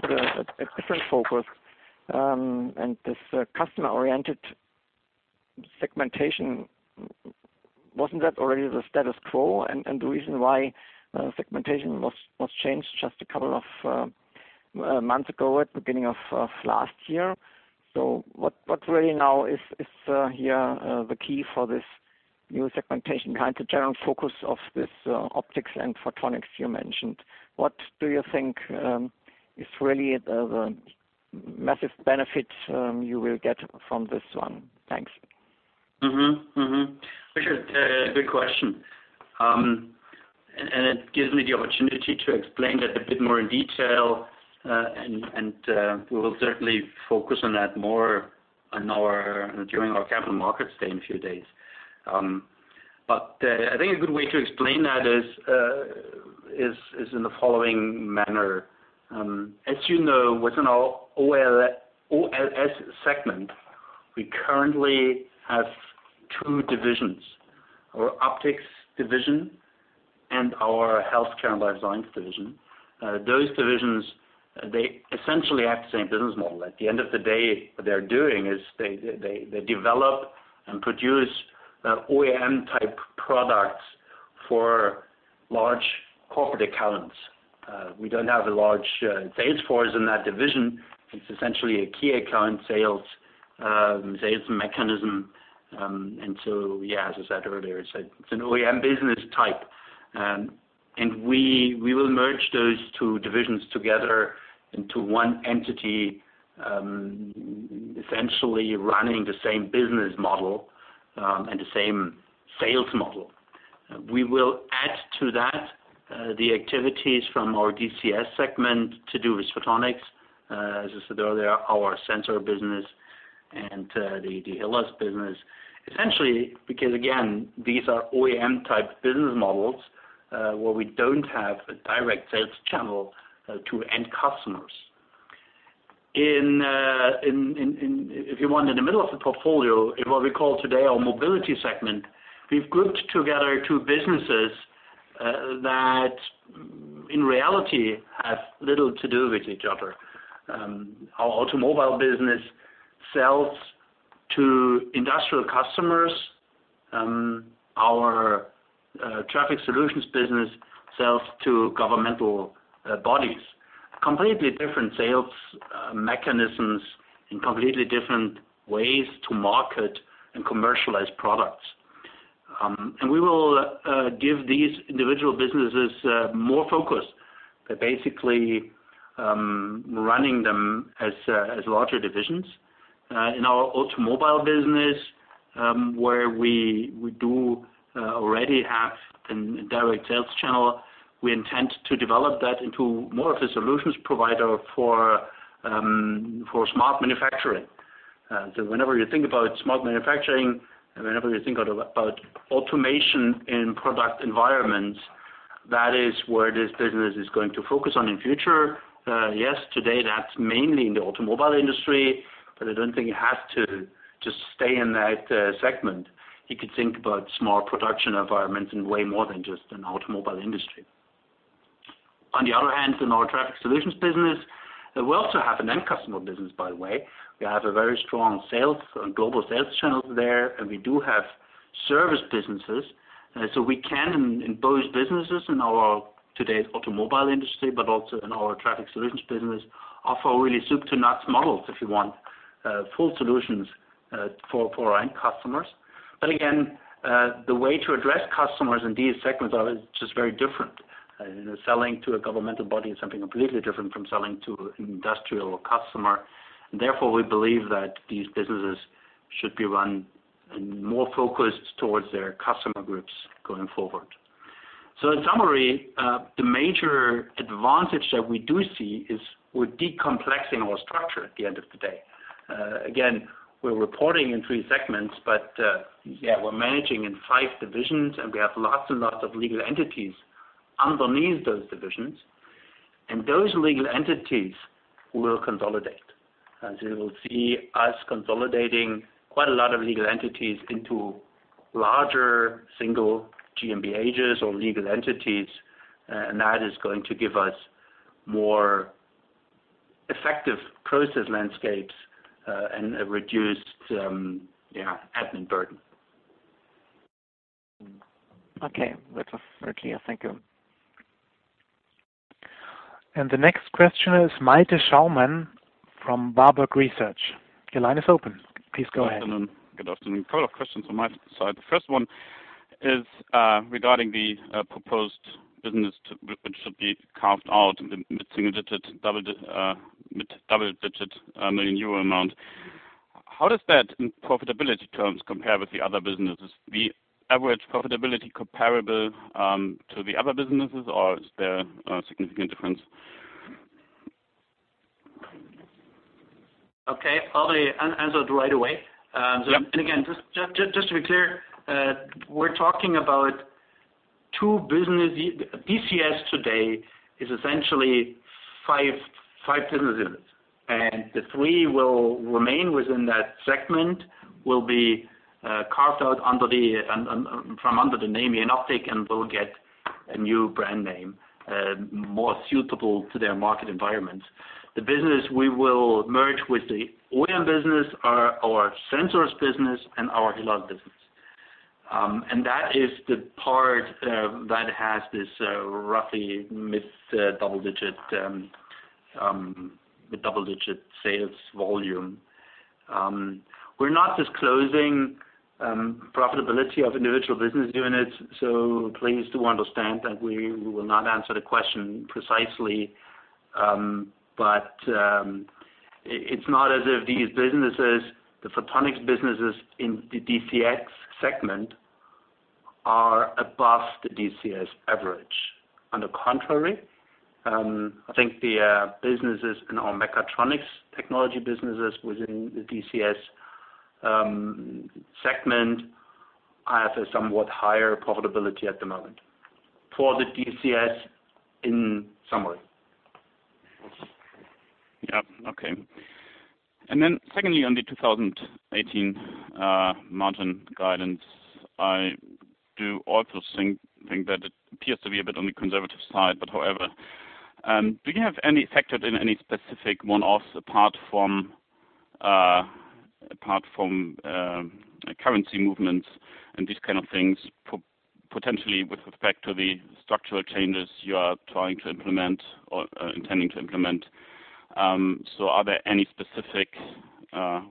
[SPEAKER 6] put a different focus. This customer-oriented segmentation, wasn't that already the status quo and the reason why segmentation was changed just a couple of months ago at beginning of last year? What really now is here the key for this new segmentation behind the general focus of this optics and photonics you mentioned? What do you think is really the massive benefit you will get from this one? Thanks.
[SPEAKER 2] Richard, good question. It gives me the opportunity to explain that a bit more in detail. We will certainly focus on that more during our capital markets day in a few days. I think a good way to explain that is in the following manner. As you know, within our OLS segment, we currently have two divisions, our optics division and our health care and life science division. Those divisions, they essentially have the same business model. At the end of the day, what they're doing is they develop and produce OEM-type products for large corporate accounts. We don't have a large sales force in that division. It's essentially a key account sales mechanism. Yeah, as I said earlier, it's an OEM business type. We will merge those two divisions together into one entity, essentially running the same business model, and the same sales model. We will add to that the activities from our DCS segment to do with photonics, as I said earlier, our sensor business and the HLS business. Essentially, because again, these are OEM-type business models, where we don't have a direct sales channel to end customers. If you want, in the middle of the portfolio, in what we call today our Mobility segment, we've grouped together two businesses that in reality have little to do with each other. Our automobile business sells to industrial customers. Our Traffic Solutions business sells to governmental bodies. Completely different sales mechanisms and completely different ways to market and commercialize products. We will give these individual businesses more focus by basically running them as larger divisions.
[SPEAKER 3] In our automobile business, where we do already have a direct sales channel, we intend to develop that into more of a solutions provider for smart manufacturing. Whenever you think about smart manufacturing and whenever you think about automation in product environments, that is where this business is going to focus on in future. Yes, today, that's mainly in the automobile industry, but I don't think it has to just stay in that segment. You could think about smart production environments in way more than just an automobile industry. On the other hand, in our Traffic Solutions business, we also have an end customer business, by the way. We have a very strong global sales channel there, and we do have service businesses. We can in both businesses in our today's automotive industry, but also in our Traffic Solutions business, offer really soup to nuts models, if you want, full solutions for our end customers. But again, the way to address customers in these segments are just very different. Selling to a governmental body is something completely different from selling to an industrial customer. Therefore, we believe that these businesses should be run more focused towards their customer groups going forward. In summary, the major advantage that we do see is we're de-complexing our structure at the end of the day. Again, we're reporting in three segments, but yeah, we're managing in five divisions, and we have lots and lots of legal entities underneath those divisions.
[SPEAKER 2] Those legal entities will consolidate. You will see us consolidating quite a lot of legal entities into larger single GmbHs or legal entities. That is going to give us more effective process landscapes and a reduced admin burden.
[SPEAKER 1] Okay. That was very clear. Thank you. The next question is Malte Schaumann from Warburg Research. Your line is open. Please go ahead.
[SPEAKER 7] Good afternoon. A couple of questions on my side. The first one is regarding the proposed business, which should be carved out in the mid double-digit million EUR amount. How does that, in profitability terms, compare with the other businesses? The average profitability comparable to the other businesses or is there a significant difference?
[SPEAKER 2] Okay. I'll answer it right away.
[SPEAKER 7] Yep.
[SPEAKER 2] Again, just to be clear, we're talking about two businesses. DCS today is essentially five businesses, and the three will remain within that segment, will be carved out from under the name Jenoptik, and will get a new brand name more suitable to their market environment. The business we will merge with the OEM business are our sensors business and our HELOS business. That is the part that has this roughly mid double-digit sales volume. We're not disclosing profitability of individual business units, so please do understand that we will not answer the question precisely. It's not as if these businesses, the photonics businesses in the DCS segment, are above the DCS average. On the contrary, I think the businesses in our mechatronics technology businesses within the DCS segment have a somewhat higher profitability at the moment, for the DCS in summary.
[SPEAKER 7] Yep. Okay. Secondly, on the 2018 margin guidance, I do also think that it appears to be a bit on the conservative side, however. Do you have any factored in, any specific one-offs apart from currency movements and these kind of things, potentially with respect to the structural changes you are trying to implement or intending to implement? Are there any specific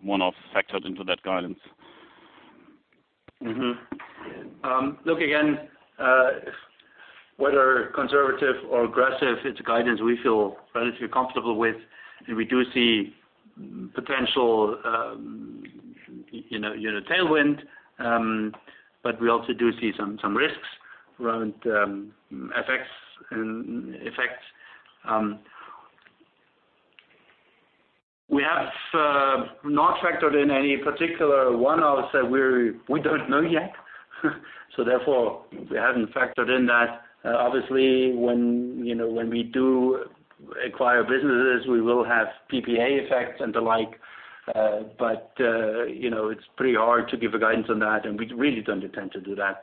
[SPEAKER 7] one-offs factored into that guidance?
[SPEAKER 2] Look, again, whether conservative or aggressive, it's a guidance we feel relatively comfortable with, we do see potential tailwind, we also do see some risks around effects. We have not factored in any particular one-offs that we don't know yet. Therefore, we haven't factored in that. Obviously, when we do acquire businesses, we will have PPA effects and the like, it's pretty hard to give a guidance on that, we really don't intend to do that.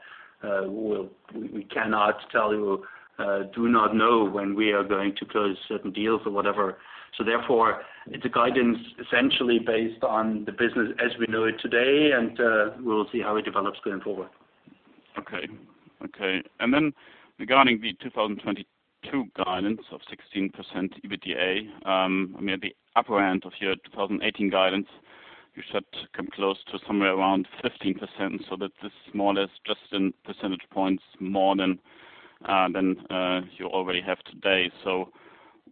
[SPEAKER 2] We cannot tell you, do not know when we are going to close certain deals or whatever. Therefore, it's a guidance essentially based on the business as we know it today, we will see how it develops going forward.
[SPEAKER 7] Okay. Regarding the 2022 guidance of 16% EBITDA, I mean, at the upper end of your 2018 guidance, you said come close to somewhere around 15%, that this more or less just in percentage points more than you already have today.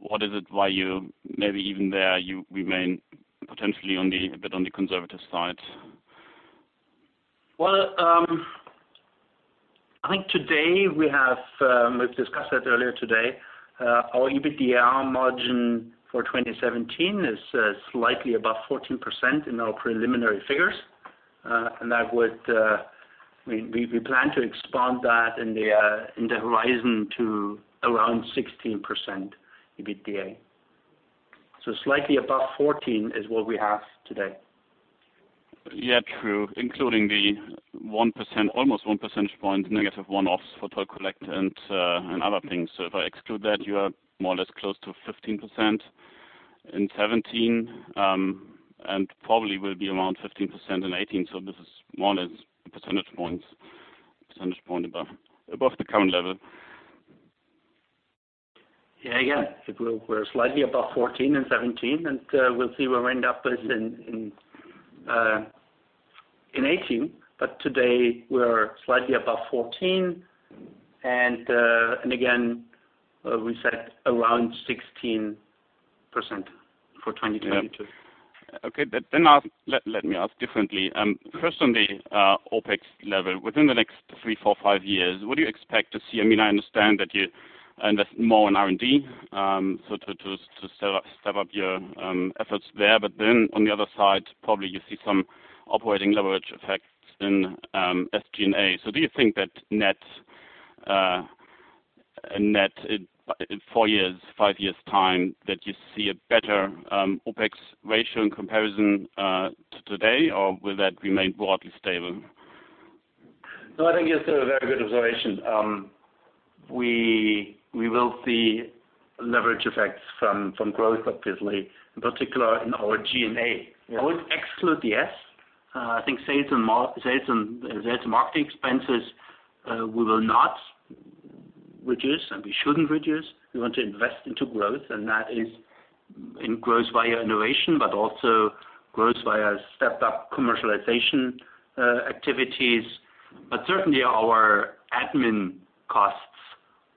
[SPEAKER 7] What is it why you maybe even there you remain potentially a bit on the conservative side?
[SPEAKER 2] Well, we've discussed that earlier today. Our EBITDA margin for 2017 is slightly above 14% in our preliminary figures. We plan to expand that in the horizon to around 16% EBITDA. Slightly above 14% is what we have today.
[SPEAKER 7] Yeah, true. Including the almost one percentage point negative one-offs for Toll Collect and other things. If I exclude that, you are more or less close to 15% in 2017, and probably will be around 15% in 2018. This is more or less a percentage point above the current level.
[SPEAKER 2] Yeah. We're slightly above 14% in 2017, and we'll see where we end up in 2018. Today, we're slightly above 14%. Again, we said around 16% for 2022.
[SPEAKER 7] Yeah. Okay. Let me ask differently. First, on the OpEx level, within the next three, four, five years, what do you expect to see? I mean, I understand that you invest more in R&D, to step up your efforts there. On the other side, probably you see some operating leverage effects in SG&A. Do you think that net-net in four years, five years time that you see a better OpEx ratio in comparison to today or will that remain broadly stable?
[SPEAKER 2] No, I think it's a very good observation. We will see leverage effects from growth, obviously, in particular in our G&A. I would exclude the S, I think sales and marketing expenses, we will not reduce, and we shouldn't reduce. We want to invest into growth, That is in growth via innovation, Also growth via stepped-up commercialization activities. Certainly, our admin costs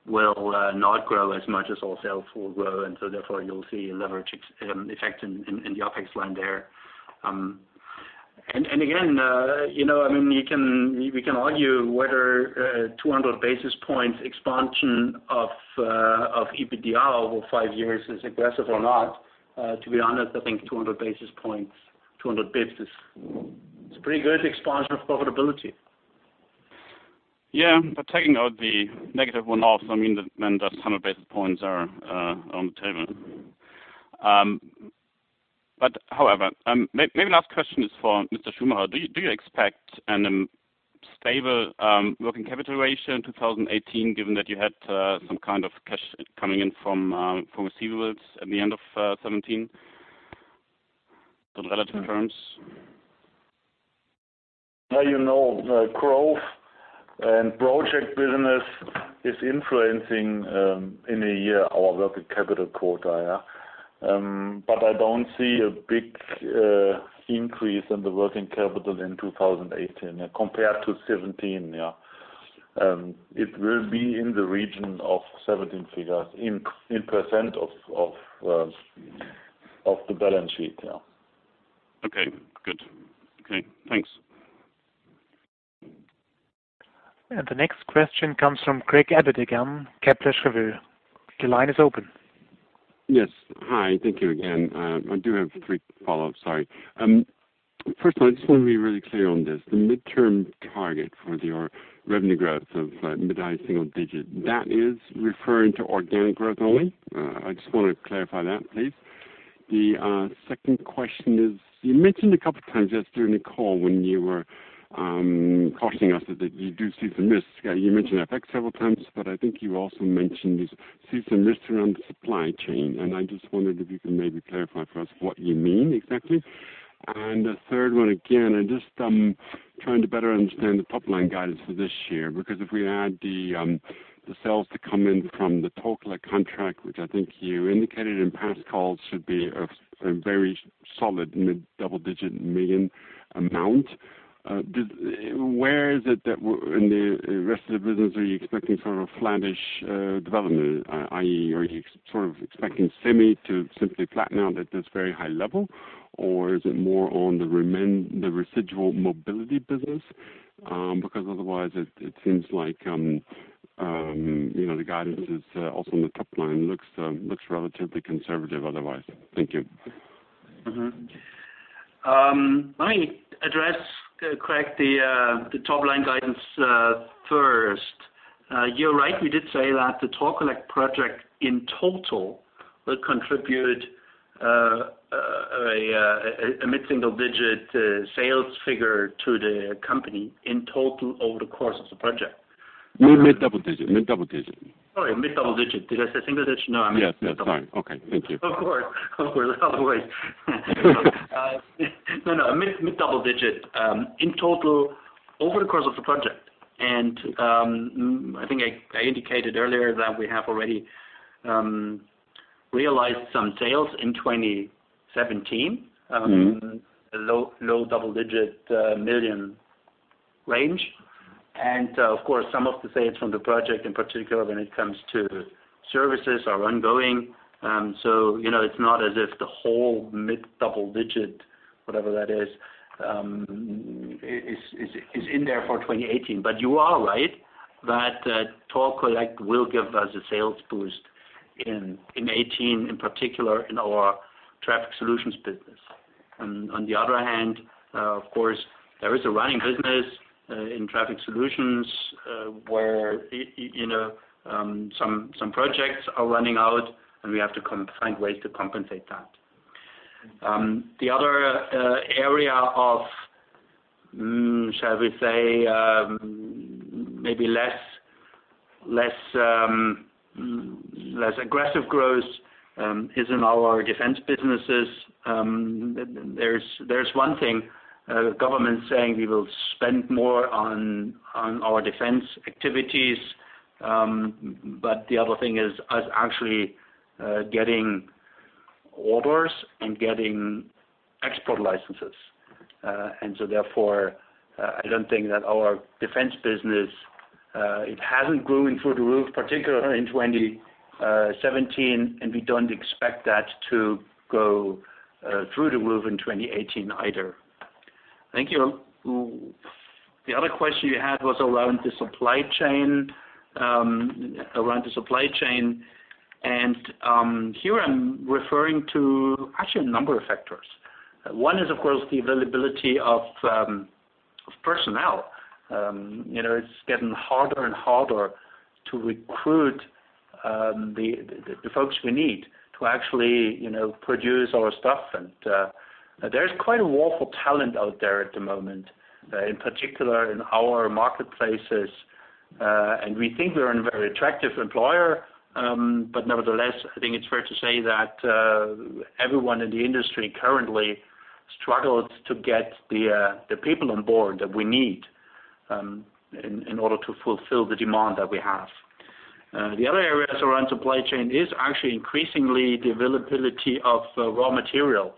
[SPEAKER 2] will not grow as much as our sales will grow, Therefore you'll see a leverage effect in the OpEx line there. Again, we can argue whether 200 basis points expansion of EBITDA over five years is aggressive or not. To be honest, I think 200 basis points, it's a pretty good expansion of profitability.
[SPEAKER 7] Yeah. Taking out the negative one-offs, Just 100 basis points are on the table. However, maybe last question is for Mr. Schumacher. Do you expect a stable working capital ratio in 2018, given that you had some kind of cash coming in from receivables at the end of 2017? In relative terms.
[SPEAKER 3] You know growth and project business is influencing in a year our working capital quota. I don't see a big increase in the working capital in 2018 compared to 2017. It will be in the region of 2017 figures in % of the balance sheet.
[SPEAKER 7] Okay, good. Okay, thanks.
[SPEAKER 1] The next question comes from Craig Abbott again, Kepler Cheuvreux. Your line is open.
[SPEAKER 4] Hi, thank you again. I do have three follow-ups, sorry. First one, I just want to be really clear on this. The midterm target for your revenue growth of mid-high single-digit, that is referring to organic growth only? I just want to clarify that, please. The second question is, you mentioned a couple of times yesterday in the call when you were cautioning us that you do see some risks. You mentioned FX several times, but I think you also mentioned you see some risks around the supply chain, and I just wondered if you could maybe clarify for us what you mean exactly. The third one, again, I'm just trying to better understand the top-line guidance for this year. If we add the sales that come in from the Toll Collect contract, which I think you indicated in past calls should be a very solid mid-double-digit million EUR amount. Where is it that in the rest of the business are you expecting sort of flattish development, i.e., are you sort of expecting semicon to simply flatten out at this very high level? Or is it more on the residual Mobility business? Because otherwise, it seems like the guidance is also on the top line looks relatively conservative otherwise. Thank you.
[SPEAKER 2] Let me address, Craig, the top-line guidance first. You're right, we did say that the Toll Collect project in total will contribute a mid-single-digit sales figure to the company in total over the course of the project.
[SPEAKER 4] You mean mid-double digit? Mid-double digit.
[SPEAKER 2] Sorry, mid-double digit. Did I say single digit? No.
[SPEAKER 4] Yes. That's fine. Okay. Thank you.
[SPEAKER 2] of course. Otherwise No, no. Mid-double digit EUR million, in total over the course of the project. I think I indicated earlier that we have already realized some sales in 2017. A low double-digit million range. Of course, some of the sales from the project, in particular when it comes to services, are ongoing. It's not as if the whole mid-double digit EUR million, whatever that is in there for 2018. You are right that Toll Collect will give us a sales boost in 2018, in particular in our Traffic Solutions business. On the other hand, of course, there is a running business in Traffic Solutions, where some projects are running out, and we have to find ways to compensate that. The other area of, shall we say, maybe less aggressive growth is in our defense businesses. There's one thing, government saying we will spend more on our defense activities. The other thing is us actually getting orders and getting export licenses. Therefore, I don't think that our defense business, it hasn't grown through the roof, particularly in 2017, and we don't expect that to go through the roof in 2018 either. Thank you. The other question you had was around the supply chain. Here I'm referring to actually a number of factors. One is, of course, the availability of personnel. It's getting harder and harder to recruit the folks we need to actually produce our stuff. There is quite a war for talent out there at the moment, in particular in our marketplaces. We think we're a very attractive employer. Nevertheless, I think it's fair to say that everyone in the industry currently struggles to get the people on board that we need in order to fulfill the demand that we have. The other areas around supply chain is actually increasingly the availability of raw material.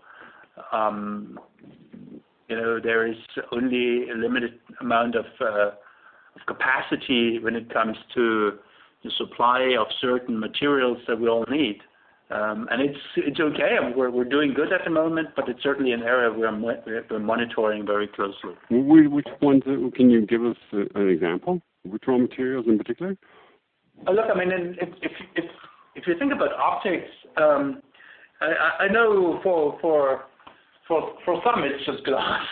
[SPEAKER 2] There is only a limited amount of capacity when it comes to the supply of certain materials that we all need. It's okay. We're doing good at the moment, it's certainly an area we're monitoring very closely.
[SPEAKER 4] Which ones? Can you give us an example? Which raw materials in particular?
[SPEAKER 2] Look, if you think about optics, I know for some it's just glass.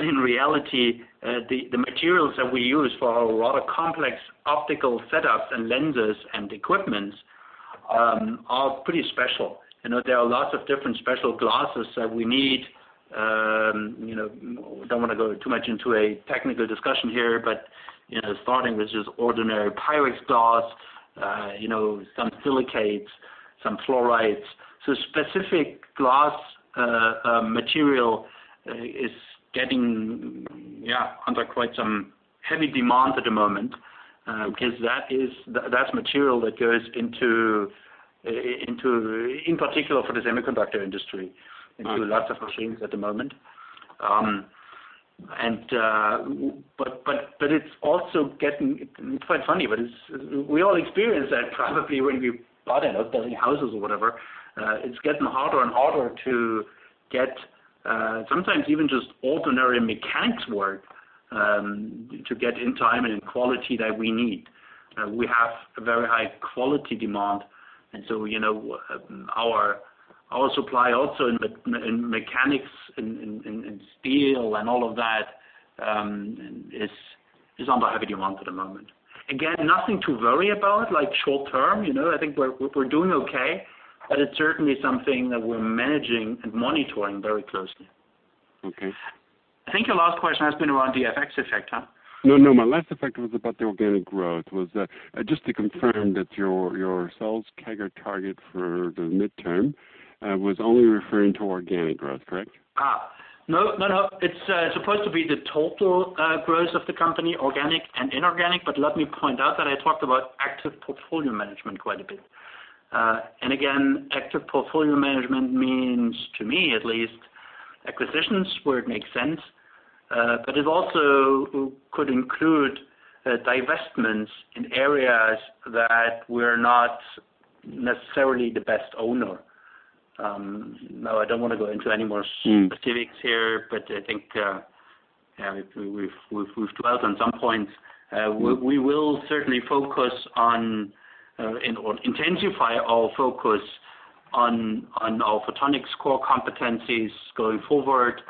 [SPEAKER 2] In reality, the materials that we use for our rather complex optical setups and lenses and equipment are pretty special. There are lots of different special glasses that we need. Don't want to go too much into a technical discussion here, but starting with just ordinary Pyrex glass, some silicates, some fluorites. Specific glass material is getting under quite some heavy demand at the moment. Because that's material that goes into, in particular for the semiconductor industry, into lots of machines at the moment. It's quite funny, but we all experience that probably when we bought and are building houses or whatever. It's getting harder and harder to get, sometimes even just ordinary mechanics work, to get in time and in quality that we need. We have a very high quality demand. Our supply also in mechanics and steel and all of that is under heavy demand at the moment. Again, nothing to worry about short term. I think we're doing okay, it's certainly something that we're managing and monitoring very closely.
[SPEAKER 4] Okay.
[SPEAKER 2] I think your last question has been around the FX effect, huh?
[SPEAKER 4] No, no, my last effect was about the organic growth. Was just to confirm that your sales CAGR target for the midterm was only referring to organic growth, correct?
[SPEAKER 2] No, it's supposed to be the total growth of the company, organic and inorganic. Let me point out that I talked about active portfolio management quite a bit. Again, active portfolio management means, to me at least, acquisitions where it makes sense. It also could include divestments in areas that we're not necessarily the best owner. No, I don't want to go into any more-
[SPEAKER 4] Sure
[SPEAKER 2] specifics here, I think, yeah, we've dwelt on some points. We will certainly focus on or intensify our focus on our photonics core competencies going forward.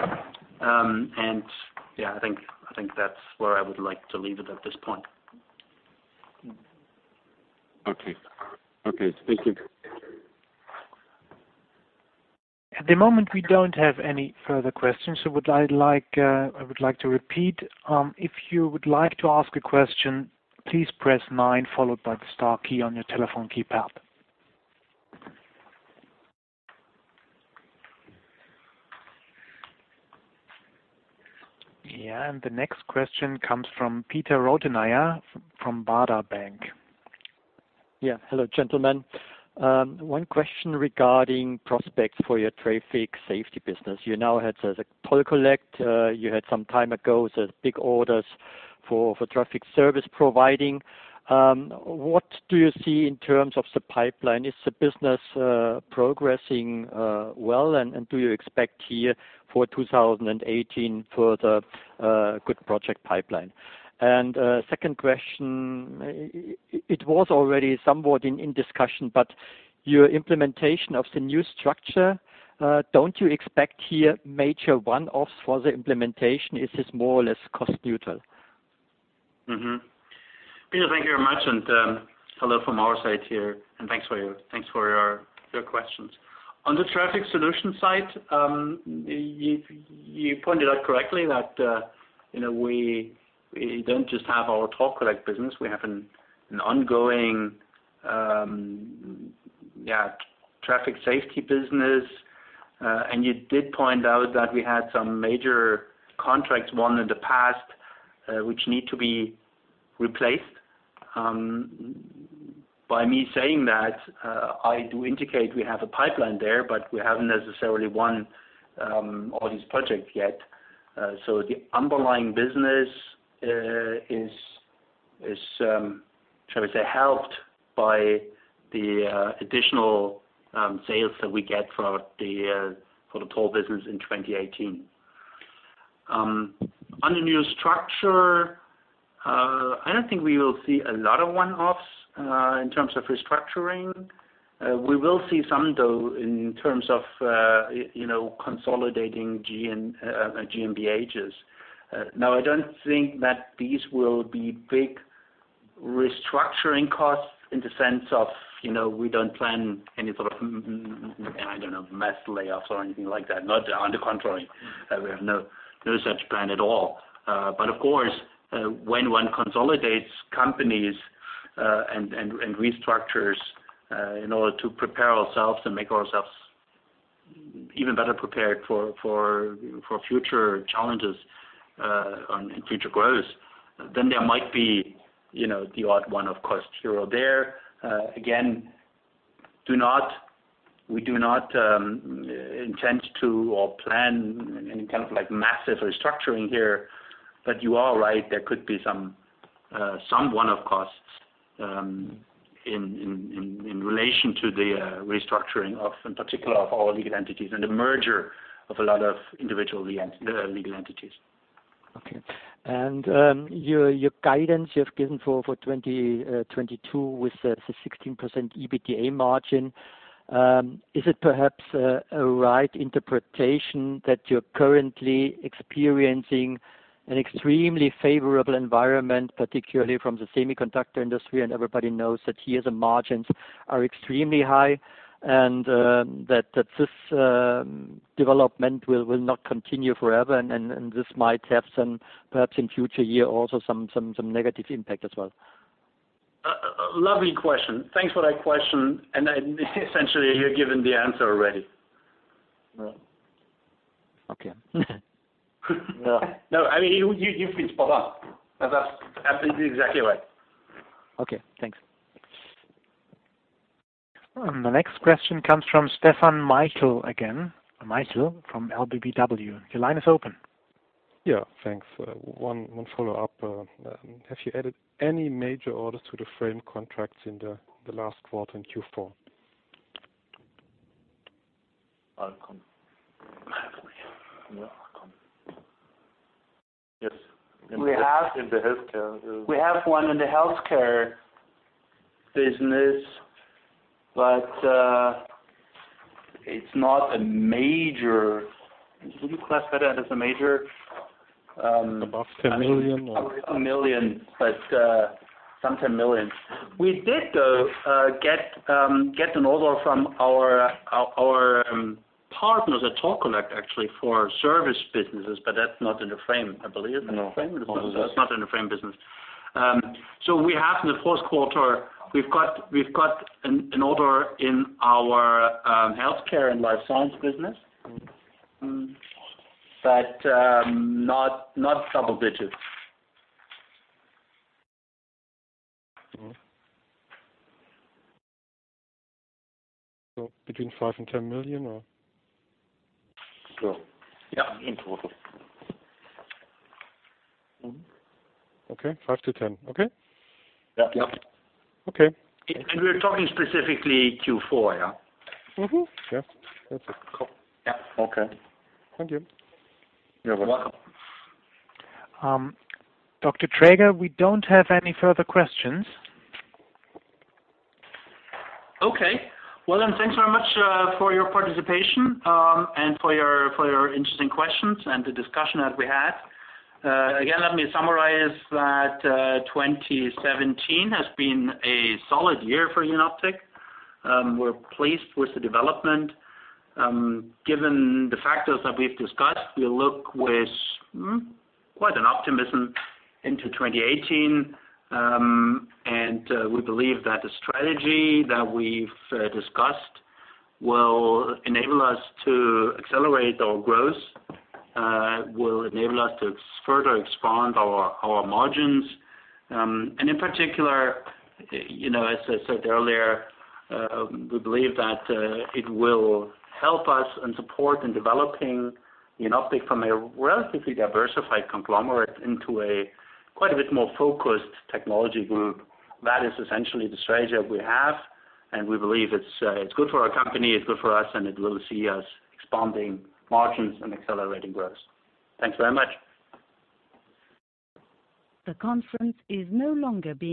[SPEAKER 2] Yeah, I think that's where I would like to leave it at this point.
[SPEAKER 4] Okay. Thank you.
[SPEAKER 1] At the moment, we don't have any further questions, I would like to repeat. If you would like to ask a question, please press nine followed by the star key on your telephone keypad. The next question comes from Peter Rothenaicher from Baader Bank.
[SPEAKER 8] Hello, gentlemen. One question regarding prospects for your traffic safety business. You now had the Toll Collect. You had some time ago, the big orders for traffic service providing. What do you see in terms of the pipeline? Is the business progressing well, do you expect here for 2018, further good project pipeline? Second question, it was already somewhat in discussion, your implementation of the new structure, don't you expect here major one-offs for the implementation? Is this more or less cost neutral?
[SPEAKER 2] Peter, thank you very much, hello from our side here, thanks for your questions. On the traffic solution side, you pointed out correctly that we don't just have our Toll Collect business. We have an ongoing traffic safety business. You did point out that we had some major contracts won in the past, which need to be replaced. By me saying that, I do indicate we have a pipeline there, we haven't necessarily won all these projects yet. The underlying business is, shall we say, helped by the additional sales that we get for the toll business in 2018. On the new structure I don't think we will see a lot of one-offs in terms of restructuring. We will see some, though, in terms of consolidating GmbHs. I don't think that these will be big restructuring costs in the sense of we don't plan any sort of mass layoffs or anything like that. Not on the contrary. We have no such plan at all. Of course, when one consolidates companies and restructures in order to prepare ourselves and make ourselves even better prepared for future challenges and future growth, then there might be the odd one, of course, here or there. Again, we do not intend to or plan any kind of massive restructuring here. You are right, there could be some one-off costs in relation to the restructuring of, in particular, of our legal entities and the merger of a lot of individual legal entities.
[SPEAKER 8] Okay. Your guidance you have given for 2022 with the 16% EBITDA margin, is it perhaps a right interpretation that you're currently experiencing an extremely favorable environment, particularly from the semiconductor industry, and everybody knows that here, the margins are extremely high and that this development will not continue forever, and this might have perhaps in future year also some negative impact as well?
[SPEAKER 2] Lovely question. Thanks for that question, and essentially you've given the answer already.
[SPEAKER 8] Okay.
[SPEAKER 2] No, you've hit the spot on. That's absolutely exactly right.
[SPEAKER 8] Okay, thanks.
[SPEAKER 1] The next question comes from Stefan Maichl again. Maichl from LBBW. Your line is open.
[SPEAKER 5] Yeah, thanks. One follow-up. Have you added any major orders to the frame contracts in the last quarter, in Q4?
[SPEAKER 2] I'll come. Yes.
[SPEAKER 3] We have- In the healthcare.
[SPEAKER 2] We have one in the healthcare business, but it's not a major Would you classify that as a major?
[SPEAKER 5] Above 10 million, or?
[SPEAKER 2] 1 million, but some 10 million. We did, though, get an order from our partners at Toll Collect actually for service businesses, but that's not in the frame, I believe. In the frame business?
[SPEAKER 3] No. That's not in the frame business. We have in the first quarter, we've got an order in our healthcare and life science business. Not double digits.
[SPEAKER 5] Between 5 million and 10 million, or?
[SPEAKER 2] Yeah, in total.
[SPEAKER 5] Okay. EUR Five to 10. Okay.
[SPEAKER 3] Yep. Yep.
[SPEAKER 5] Okay.
[SPEAKER 2] We're talking specifically Q4, yeah?
[SPEAKER 5] Yeah. That's it.
[SPEAKER 2] Cool. Yeah.
[SPEAKER 5] Okay. Thank you.
[SPEAKER 2] You're welcome.
[SPEAKER 1] Dr. Traeger, we don't have any further questions.
[SPEAKER 2] Okay. Well, thanks very much for your participation, and for your interesting questions and the discussion that we had. Again, let me summarize that 2017 has been a solid year for Jenoptik. We're pleased with the development. Given the factors that we've discussed, we look with quite an optimism into 2018. We believe that the strategy that we've discussed will enable us to accelerate our growth, will enable us to further expand our margins. In particular, as I said earlier, we believe that it will help us and support in developing Jenoptik from a relatively diversified conglomerate into a quite a bit more focused technology group. That is essentially the strategy that we have, and we believe it's good for our company, it's good for us, and it will see us expanding margins and accelerating growth. Thanks very much.
[SPEAKER 1] The conference is no longer being